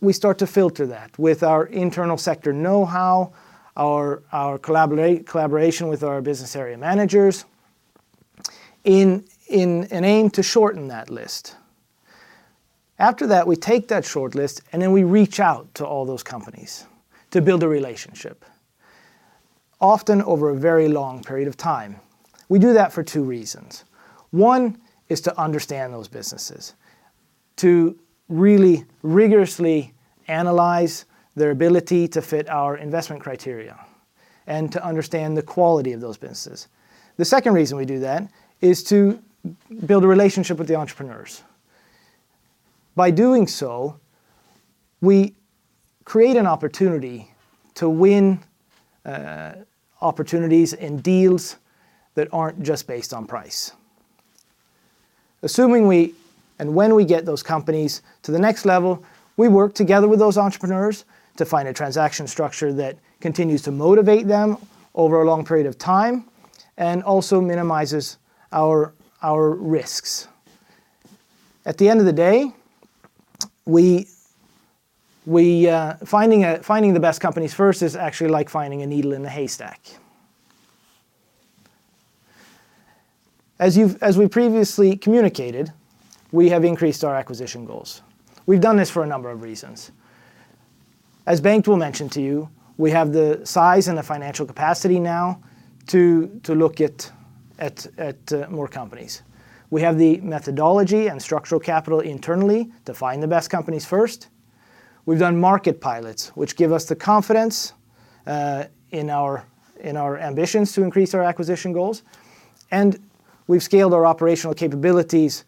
we start to filter that with our internal sector knowhow, our collaboration with our business area managers in an aim to shorten that list. After that, we take that shortlist, and then we reach out to all those companies to build a relationship, often over a very long period of time. We do that for two reasons. One is to understand those businesses, to really rigorously analyze their ability to fit our investment criteria, and to understand the quality of those businesses. The second reason we do that is to build a relationship with the entrepreneurs. By doing so, we create an opportunity to win opportunities and deals that aren't just based on price. Assuming we get those companies to the next level, we work together with those entrepreneurs to find a transaction structure that continues to motivate them over a long period of time, and also minimizes our risks. At the end of the day, finding the best companies first is actually like finding a needle in a haystack. As we previously communicated, we have increased our acquisition goals. We've done this for a number of reasons. As Bengt will mention to you, we have the size and the financial capacity now to look at more companies. We have the methodology and structural capital internally to find the best companies first. We've done market pilots, which give us the confidence in our ambitions to increase our acquisition goals. We've scaled our operational capabilities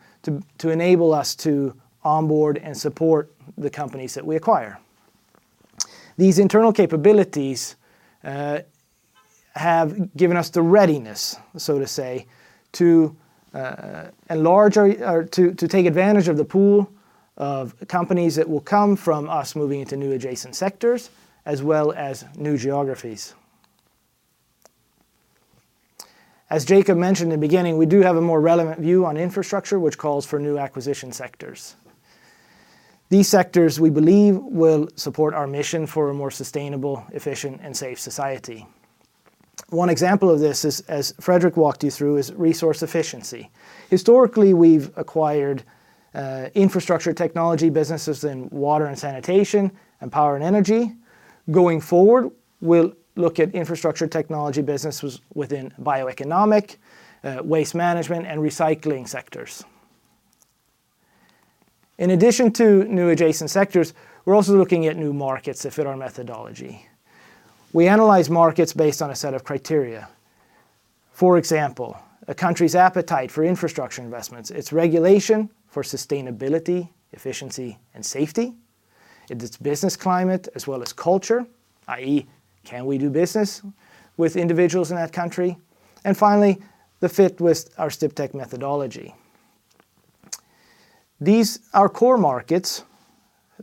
to enable us to onboard and support the companies that we acquire. These internal capabilities have given us the readiness, so to say, to take advantage of the pool of companies that will come from us moving into new adjacent sectors, as well as new geographies. As Jakob mentioned in the beginning, we do have a more relevant view on infrastructure, which calls for new acquisition sectors. These sectors, we believe, will support our mission for a more sustainable, efficient, and safe society. One example of this is, as Fredrik walked you through, is resource efficiency. Historically, we've acquired infrastructure technology businesses in water and sanitation and power and energy. Going forward, we'll look at infrastructure technology businesses within bioeconomic, waste management, and recycling sectors. In addition to new adjacent sectors, we're also looking at new markets that fit our methodology. We analyze markets based on a set of criteria. For example, a country's appetite for infrastructure investments, its regulation for sustainability, efficiency, and safety, its business climate, as well as culture, i.e., can we do business with individuals in that country? Finally, the fit with our Sdiptech methodology. These our core markets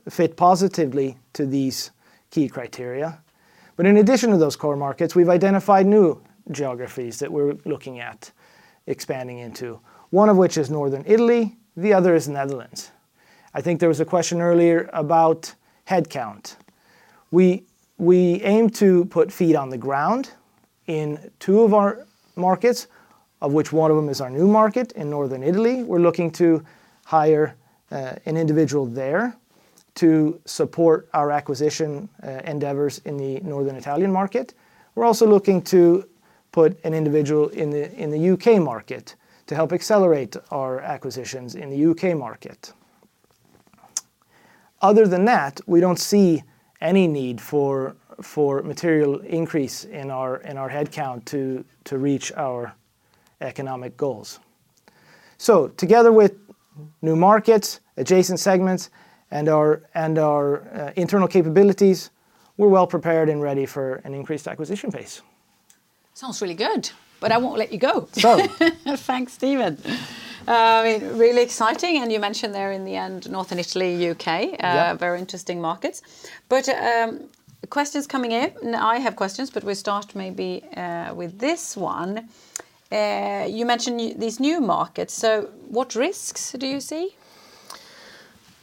fit positively to these key criteria. In addition to those core markets, we've identified new geographies that we're looking at expanding into, one of which is Northern Italy, the other is Netherlands. I think there was a question earlier about headcount. We aim to put feet on the ground in two of our markets, of which one of them is our new market in Northern Italy. We're looking to hire an individual there to support our acquisition endeavors in the Northern Italian market. We're also looking to put an individual in the U.K. market to help accelerate our acquisitions in the U.K. market. Other than that, we don't see any need for material increase in our headcount to reach our economic goals. Together with new markets, adjacent segments, and our internal capabilities, we're well prepared and ready for an increased acquisition pace. Sounds really good, I won't let you go. No. Thanks, Steven. Really exciting, and you mentioned there in the end, Northern Italy, U.K. Yep. Very interesting markets. Questions coming in. I have questions, but we'll start maybe with this one. You mentioned these new markets, so what risks do you see?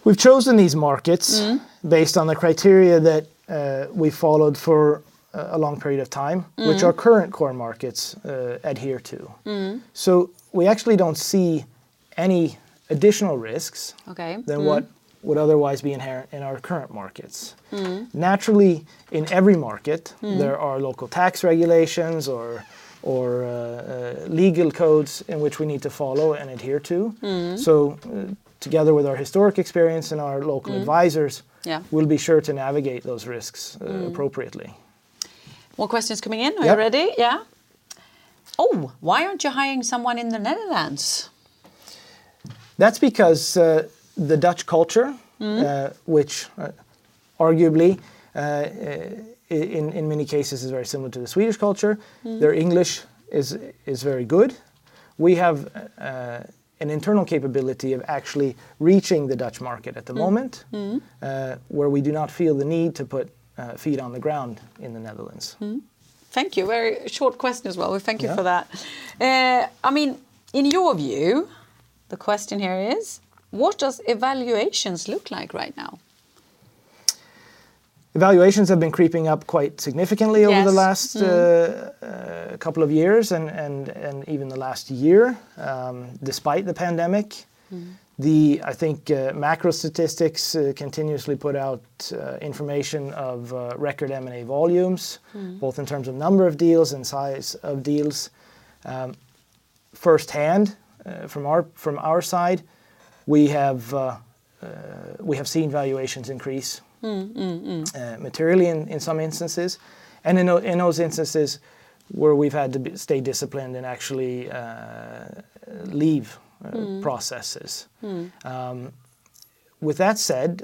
We've chosen these markets based on the criteria that we followed for a long period of time, which our current core markets adhere to. We actually don't see any additional risks. Okay. Than what would otherwise be inherent in our current markets. Naturally, in every market, there are local tax regulations or legal codes in which we need to follow and adhere to. Together with our historic experience and our local advisors. Yeah. We'll be sure to navigate those risks appropriately. More questions coming in. Are you ready? Yep. Yeah. Oh, why aren't you hiring someone in the Netherlands? That's because the Dutch culture, which arguably in many cases is very similar to the Swedish culture, their English is very good. We have an internal capability of actually reaching the Dutch market at the moment, where we do not feel the need to put feet on the ground in the Netherlands. Mm-hmm. Thank you. Very short question as well. Thank you for that. Yeah. In your view, the question here is, what does evaluations look like right now? Valuations have been creeping up quite significantly. Yes. over the last couple of years and even the last year, despite the pandemic. The, I think, macro statistics continuously put out information of record M&A volumes. Both in terms of number of deals and size of deals. Firsthand, from our side, we have seen valuations increase. Materially in some instances, and in those instances where we've had to stay disciplined and actually leave processes. With that said,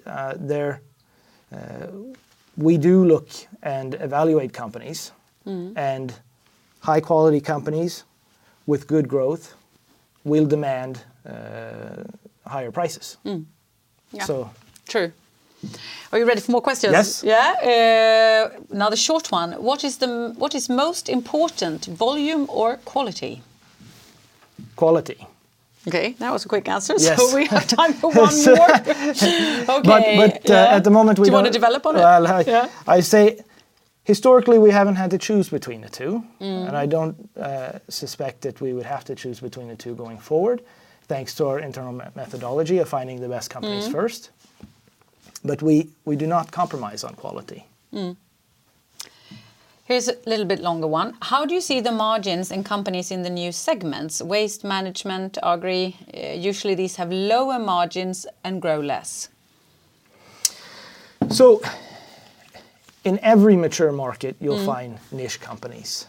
we do look and evaluate companies. High quality companies with good growth will demand higher prices. Yeah. So. True. Are you ready for more questions? Yes. Yeah. Another short one. What is most important, volume or quality? Quality. Okay. That was a quick answer. Yes. We have time for one more. Okay. At the moment we won't. Do you want to develop on it? Well, I- Yeah. I say historically we haven't had to choose between the two. I don't suspect that we would have to choose between the two going forward, thanks to our internal methodology of finding the best companies first. We do not compromise on quality. Here's a little bit longer one. How do you see the margins in companies in the new segments, waste management, agri? Usually these have lower margins and grow less. In every mature market you'll find niche companies.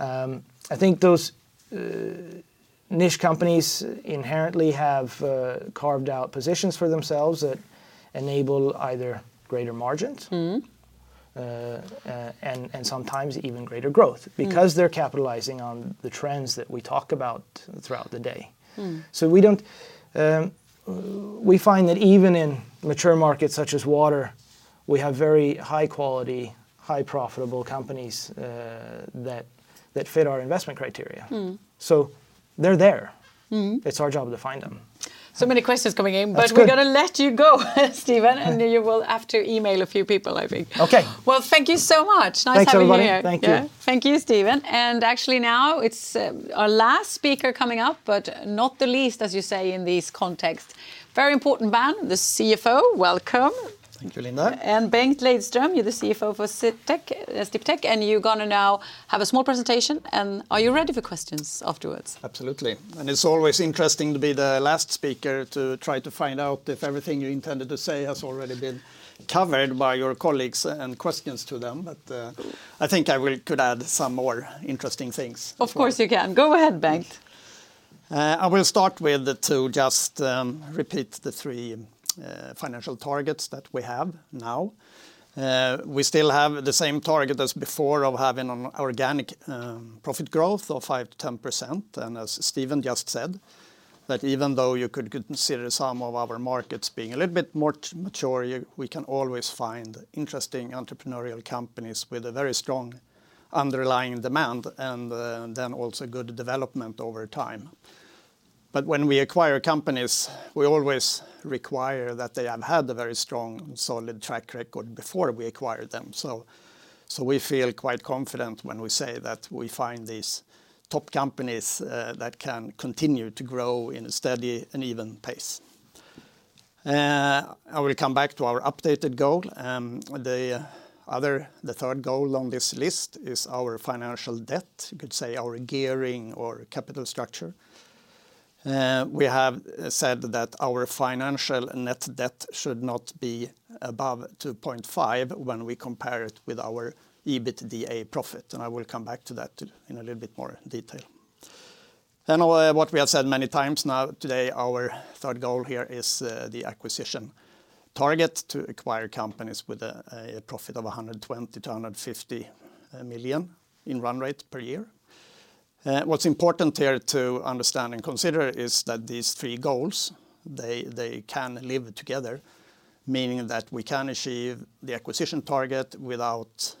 I think those niche companies inherently have carved out positions for themselves that enable either greater margins. Sometimes even greater growth because they're capitalizing on the trends that we talk about throughout the day. We find that even in mature markets such as water, we have very high quality, high profitable companies that fit our investment criteria. They're there. It's our job to find them. Many questions coming in. That's good. We've got to let you go, Steven, and you will have to email a few people I think. Okay. Well, thank you so much. Nice having you here. Thanks everybody. Thank you. Yeah. Thank you, Steven. Actually now it's our last speaker coming up, but not the least as you say in this context, very important man, the CFO. Welcome. Thank you, Linda. Bengt Lejdström, you're the CFO for Sdiptech, and you're going to now have a small presentation, and are you ready for questions afterwards? Absolutely. It's always interesting to be the last speaker to try to find out if everything you intended to say has already been covered by your colleagues and questions to them. I think I could add some more interesting things. Of course you can. Go ahead, Bengt. I will start with to just repeat the three financial targets that we have now. We still have the same target as before of having an organic profit growth of 5%-10%. As Steven just said, that even though you could consider some of our markets being a little bit more mature, we can always find interesting entrepreneurial companies with a very strong underlying demand, also good development over time. When we acquire companies, we always require that they have had a very strong, solid track record before we acquire them. We feel quite confident when we say that we find these top companies that can continue to grow in a steady and even pace. I will come back to our updated goal. The third goal on this list is our financial debt, you could say our gearing or capital structure. We have said that our financial net debt should not be above 2.5 when we compare it with our EBITDA profit. I will come back to that in a little bit more detail. What we have said many times now today, our third goal here is the acquisition target to acquire companies with a profit of 120 million-150 million in run rate per year. What's important here to understand and consider is that these three goals, they can live together, meaning that we can achieve the acquisition target without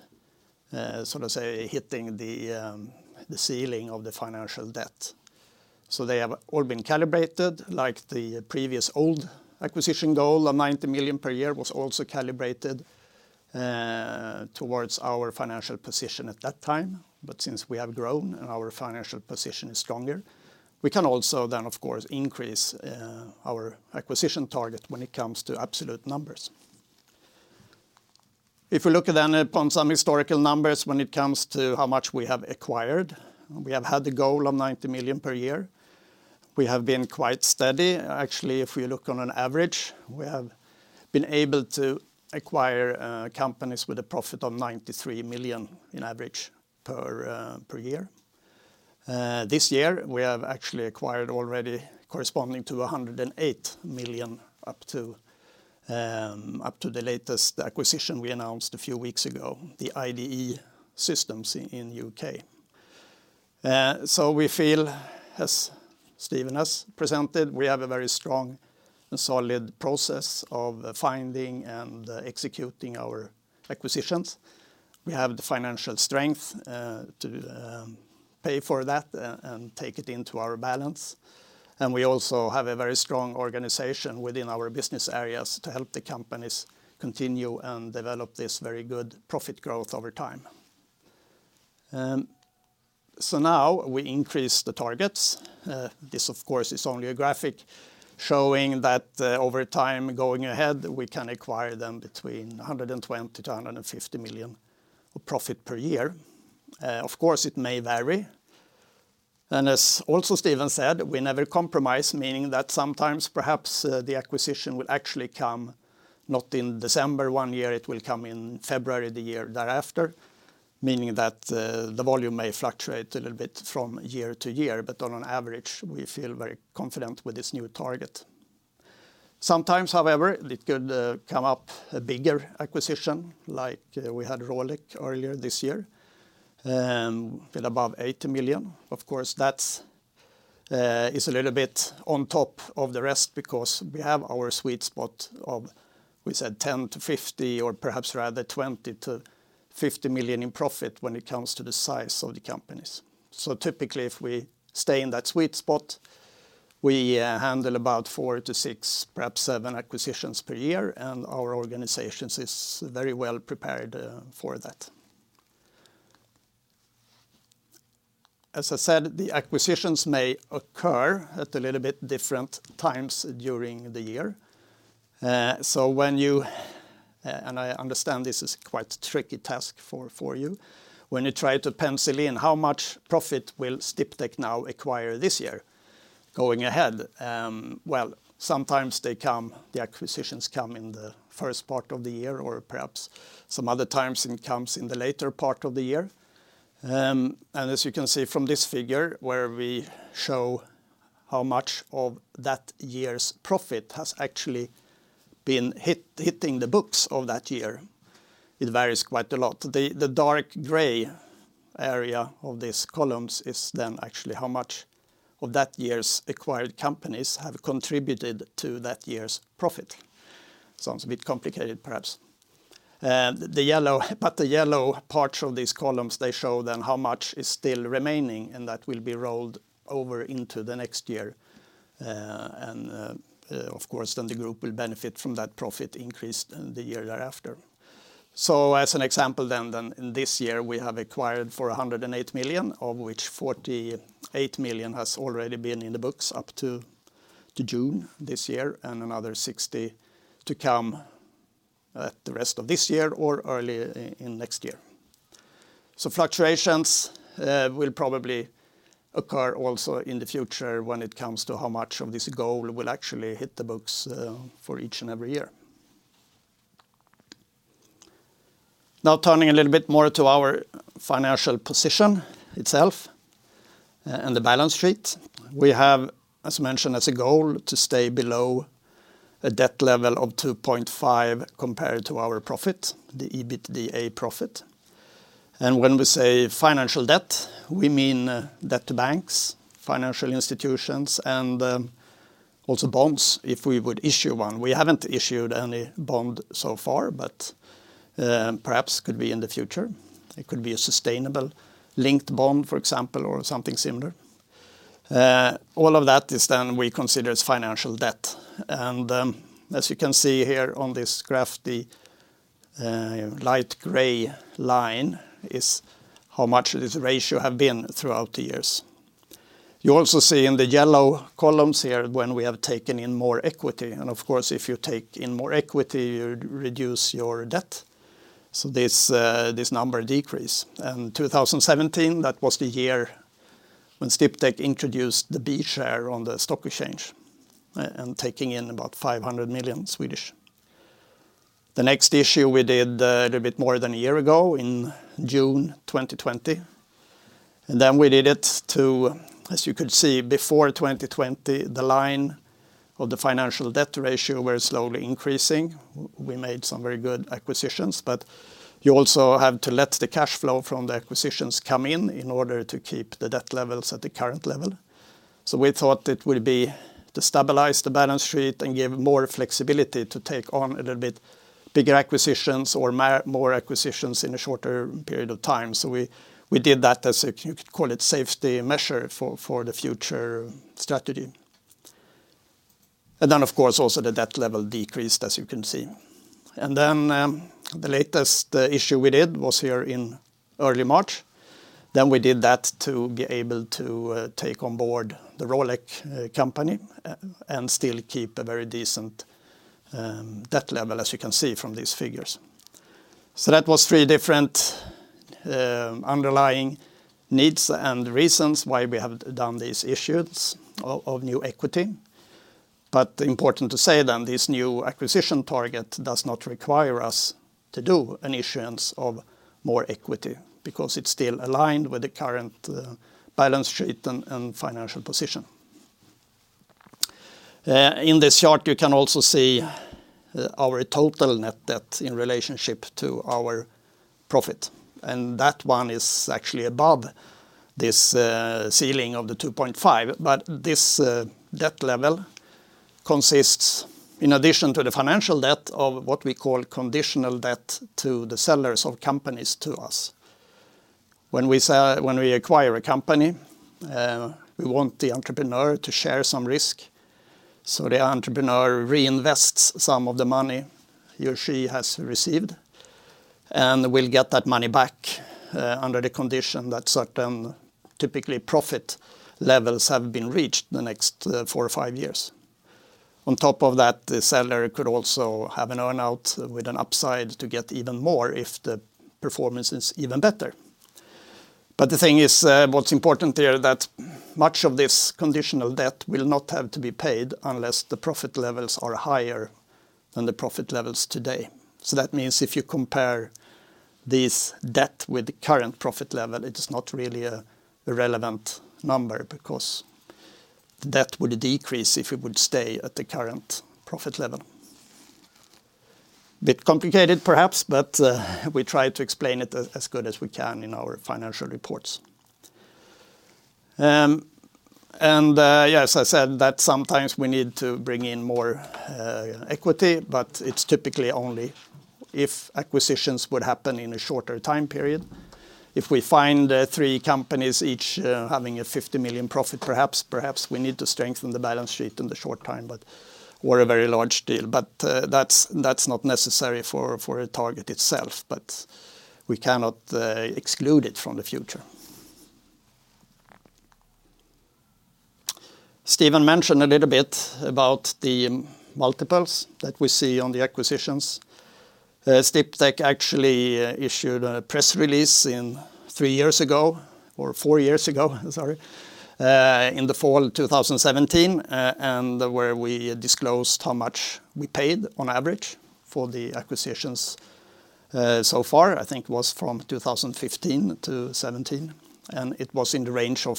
hitting the ceiling of the financial debt. They have all been calibrated, like the previous old acquisition goal of 90 million per year was also calibrated towards our financial position at that time. Since we have grown and our financial position is stronger, we can also then of course increase our acquisition target when it comes to absolute numbers. If we look then upon some historical numbers when it comes to how much we have acquired, we have had the goal of 90 million per year. We have been quite steady. Actually, if we look on an average, we have been able to acquire companies with a profit of 93 million in average per year. This year we have actually acquired already corresponding to 108 million up to the latest acquisition we announced a few weeks ago, the IDE Systems in U.K. We feel, as Steven has presented, we have a very strong and solid process of finding and executing our acquisitions. We have the financial strength to pay for that and take it into our balance. We also have a very strong organization within our business areas to help the companies continue and develop this very good profit growth over time. Now we increase the targets. This, of course, is only a graphic showing that over time going ahead, we can acquire them between 120 million to 150 million of profit per year. Of course, it may vary. As also Steven said, we never compromise, meaning that sometimes perhaps the acquisition will actually come not in December 1 year, it will come in February the year thereafter, meaning that the volume may fluctuate a little bit from year to year, but on average, we feel very confident with this new target. Sometimes, however, it could come up a bigger acquisition like we had Rolec earlier this year, above 80 million. That is a little bit on top of the rest because we have our sweet spot of, we said 10 million-50 million, or perhaps rather 20 million-50 million in profit when it comes to the size of the companies. Typically, if we stay in that sweet spot, we handle about four to six, perhaps seven acquisitions per year, and our organization is very well prepared for that. As I said, the acquisitions may occur at a little bit different times during the year. I understand this is quite a tricky task for you, when you try to pencil in how much profit will Sdiptech now acquire this year going ahead. Sometimes the acquisitions come in the first part of the year or perhaps some other times it comes in the later part of the year. As you can see from this figure, where we show how much of that year's profit has actually been hitting the books of that year, it varies quite a lot. The dark gray area of these columns is actually how much of that year's acquired companies have contributed to that year's profit. Sounds a bit complicated, perhaps. The yellow parts of these columns, they show how much is still remaining, and that will be rolled over into the next year. Of course, the group will benefit from that profit increase in the year thereafter. As an example, in this year, we have acquired for 108 million, of which 48 million has already been in the books up to June this year and another 60 million to come at the rest of this year or early in next year. Fluctuations will probably occur also in the future when it comes to how much of this goal will actually hit the books for each and every year. Turning a little bit more to our financial position itself and the balance sheet. We have, as mentioned, as a goal to stay below a debt level of 2.5 compared to our profit, the EBITDA profit. When we say financial debt, we mean debt to banks, financial institutions, and also bonds, if we would issue one. We haven't issued any bond so far, but perhaps could be in the future. It could be a sustainable linked bond, for example, or something similar. All of that is then we consider as financial debt. As you can see here on this graph, the light gray line is how much this ratio have been throughout the years. You also see in the yellow columns here when we have taken in more equity, and of course, if you take in more equity, you reduce your debt, so this number decrease. And 2017, that was the year when Sdiptech introduced the B-share on the stock exchange and taking in about 500 million. The next issue we did a little bit more than a year ago in June 2020. We did it to, as you could see, before 2020, the line of the financial debt ratio were slowly increasing. We made some very good acquisitions, but you also have to let the cash flow from the acquisitions come in in order to keep the debt levels at the current level. We thought it would be to stabilize the balance sheet and give more flexibility to take on a little bit bigger acquisitions or more acquisitions in a shorter period of time. We did that as, you could call it safety measure for the future strategy. Of course, also the debt level decreased, as you can see. The latest issue we did was here in early March. We did that to be able to take on board the Rolec company and still keep a very decent debt level, as you can see from these figures. That was three different underlying needs and reasons why we have done these issues of new equity. Important to say then, this new acquisition target does not require us to do an issuance of more equity because it's still aligned with the current balance sheet and financial position. In this chart, you can also see our total net debt in relationship to our profit, and that one is actually above this ceiling of the 2.5. This debt level consists, in addition to the financial debt, of what we call conditional debt to the sellers of companies to us. When we acquire a company, we want the entrepreneur to share some risk. The entrepreneur reinvests some of the money he or she has received, and will get that money back under the condition that certain, typically profit levels, have been reached the next four or five years. On top of that, the seller could also have an earn-out with an upside to get even more if the performance is even better. The thing is, what's important there, that much of this conditional debt will not have to be paid unless the profit levels are higher than the profit levels today. That means if you compare this debt with the current profit level, it is not really a relevant number because the debt would decrease if it would stay at the current profit level. A bit complicated, perhaps, but we try to explain it as good as we can in our financial reports. Yeah, as I said, that sometimes we need to bring in more equity, but it's typically only if acquisitions would happen in a shorter time period. If we find three companies each having a 50 million profit, perhaps we need to strengthen the balance sheet in the short time, but we're a very large deal. That's not necessary for a target itself, but we cannot exclude it from the future. Steven mentioned a little bit about the multiples that we see on the acquisitions. Sdiptech actually issued a press release three years ago, or four years ago, sorry, in the fall 2017, where we disclosed how much we paid on average for the acquisitions so far, I think it was from 2015 to 2017, and it was in the range of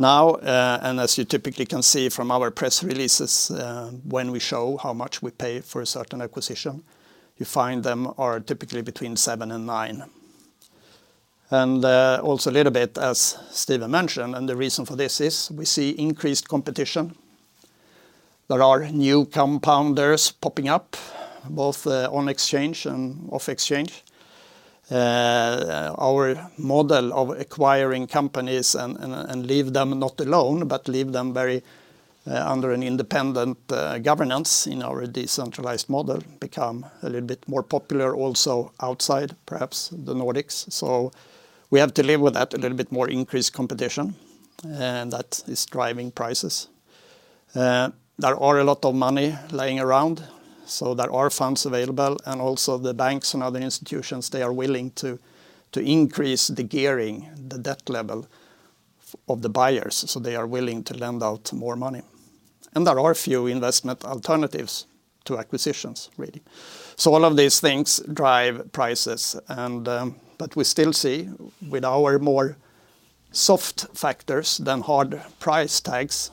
5.5-6. As you typically can see from our press releases, when we show how much we pay for a certain acquisition, you find them are typically between 7% and 9%. Also a little bit, as Steven mentioned, the reason for this is we see increased competition. There are new compounders popping up, both on exchange and off exchange. Our model of acquiring companies and leave them not alone, but leave them under an independent governance in our decentralized model become a little bit more popular also outside, perhaps, the Nordics. We have to live with that a little bit more increased competition, and that is driving prices. There are a lot of money lying around, there are funds available, and also the banks and other institutions, they are willing to increase the gearing, the debt level of the buyers, they are willing to lend out more money. There are a few investment alternatives to acquisitions, really. All of these things drive prices, but we still see with our more soft factors than hard price tags,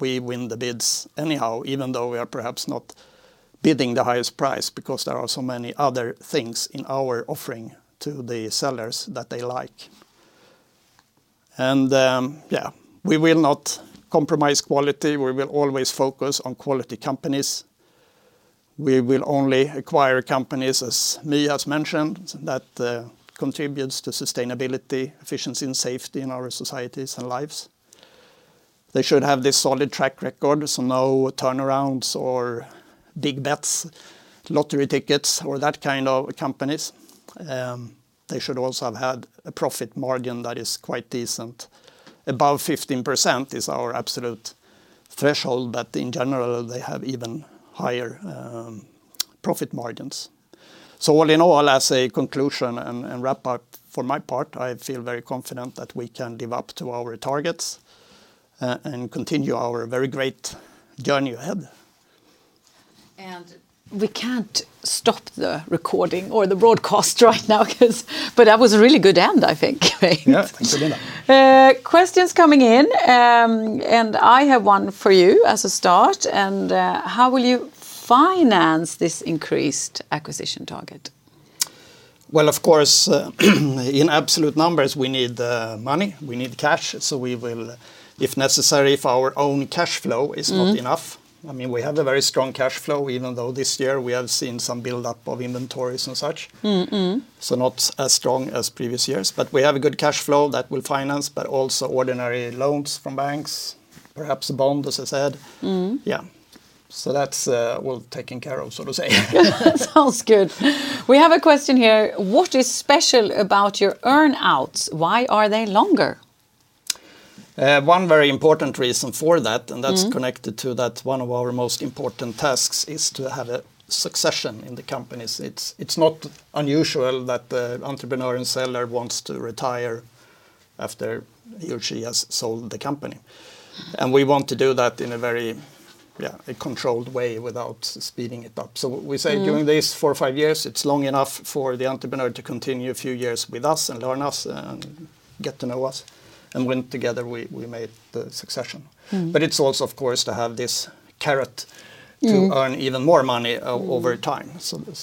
we win the bids anyhow, even though we are perhaps not bidding the highest price because there are so many other things in our offering to the sellers that they like. We will not compromise quality. We will always focus on quality companies. We will only acquire companies, as My has mentioned, that contributes to sustainability, efficiency, and safety in our societies and lives. They should have this solid track record, so no turnarounds or big bets, lottery tickets, or that kind of companies. They should also have had a profit margin that is quite decent. Above 15% is our absolute threshold, but in general, they have even higher profit margins. All in all, as a conclusion and wrap up for my part, I feel very confident that we can live up to our targets and continue our very great journey ahead. We can't stop the recording or the broadcast right now, but that was a really good end, I think. Yeah. Thanks, Linda. Questions coming in, and I have one for you as a start. How will you finance this increased acquisition target? Well, of course, in absolute numbers, we need money. We need cash, so we will, if necessary, if our own cash flow is not enough. We have a very strong cash flow, even though this year we have seen some buildup of inventories and such. Not as strong as previous years, but we have a good cash flow that will finance, but also ordinary loans from banks, perhaps a bond, as I said. Yeah. That's well taken care of, so to say. Sounds good. We have a question here. What is special about your earn-outs? Why are they longer? One very important reason for that, and that's connected to that one of our most important tasks, is to have a succession in the companies. It's not unusual that the entrepreneur and seller wants to retire after he or she has sold the company, and we want to do that in a very controlled way without speeding it up. We say doing this four or five years, it's long enough for the entrepreneur to continue a few years with us and learn us and get to know us, and when together we make the succession. It's also, of course, to have this carrot to earn even more money over time.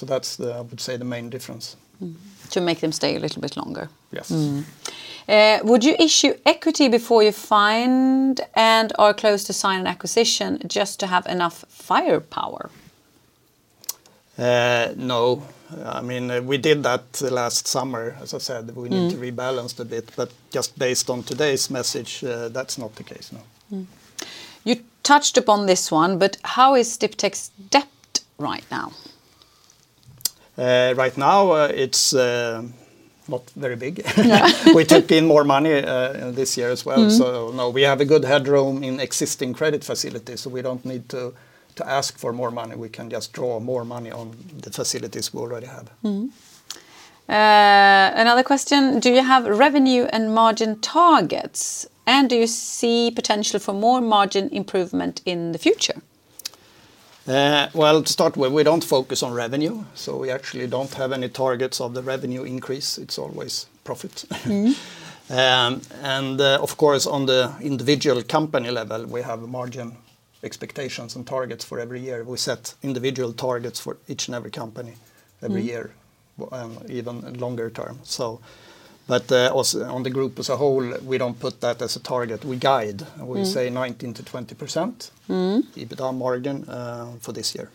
That's, I would say, the main difference. To make them stay a little bit longer. Yes. Would you issue equity before you find and/or close to sign an acquisition just to have enough firepower? No. We did that last summer. As I said, we need to rebalance a bit, but just based on today's message, that's not the case, no. You touched upon this one, how is Sdiptech's debt right now? Right now it is not very big. Yeah. We took in more money this year as well. No, we have a good headroom in existing credit facilities, so we don't need to ask for more money. We can just draw more money on the facilities we already have. Another question. Do you have revenue and margin targets? Do you see potential for more margin improvement in the future? Well, to start with, we don't focus on revenue. We actually don't have any targets of the revenue increase. It's always profit. Of course, on the individual company level, we have margin expectations and targets for every year. We set individual targets for each and every company every year, and even longer term. Also on the group as a whole, we don't put that as a target. We guide. We say 19%-20% EBITDA margin for this year.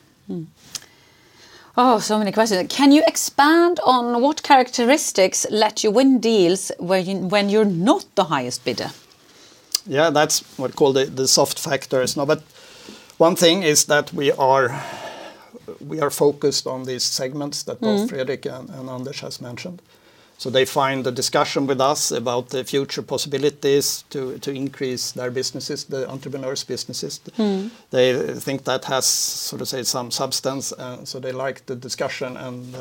Oh, so many questions. Can you expand on what characteristics let you win deals when you're not the highest bidder? Yeah, that's what you call the soft factors. One thing is that we are focused on these segments that both Fredrik and Anders has mentioned. They find the discussion with us about the future possibilities to increase their businesses, the entrepreneurs' businesses. They think that has some substance, so they like the discussion and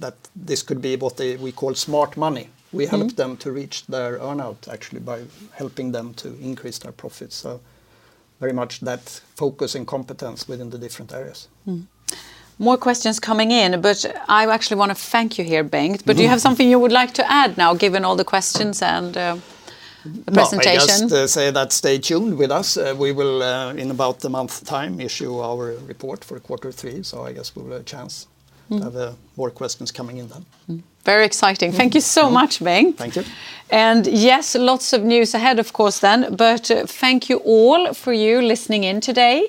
that this could be what we call smart money. We help them to reach their earn-out actually, by helping them to increase their profits. Very much that focus and competence within the different areas. More questions coming in. I actually want to thank you here, Bengt. Do you have something you would like to add now, given all the questions and the presentation? I guess say that stay tuned with us. We will, in about a month's time, issue our report for quarter three. I guess we'll have a chance to have more questions coming in then. Very exciting. Thank you so much, Bengt. Thank you. Yes, lots of news ahead, of course. Thank you all for you listening in today.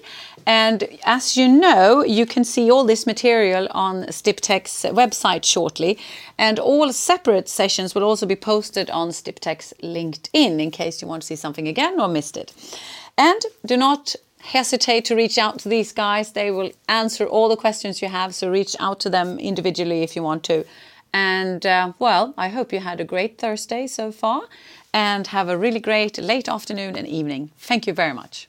As you know, you can see all this material on Sdiptech's website shortly, and all separate sessions will also be posted on Sdiptech's LinkedIn in case you want to see something again or missed it. Do not hesitate to reach out to these guys. They will answer all the questions you have, so reach out to them individually if you want to. Well, I hope you had a great Thursday so far, and have a really great late afternoon and evening. Thank you very much.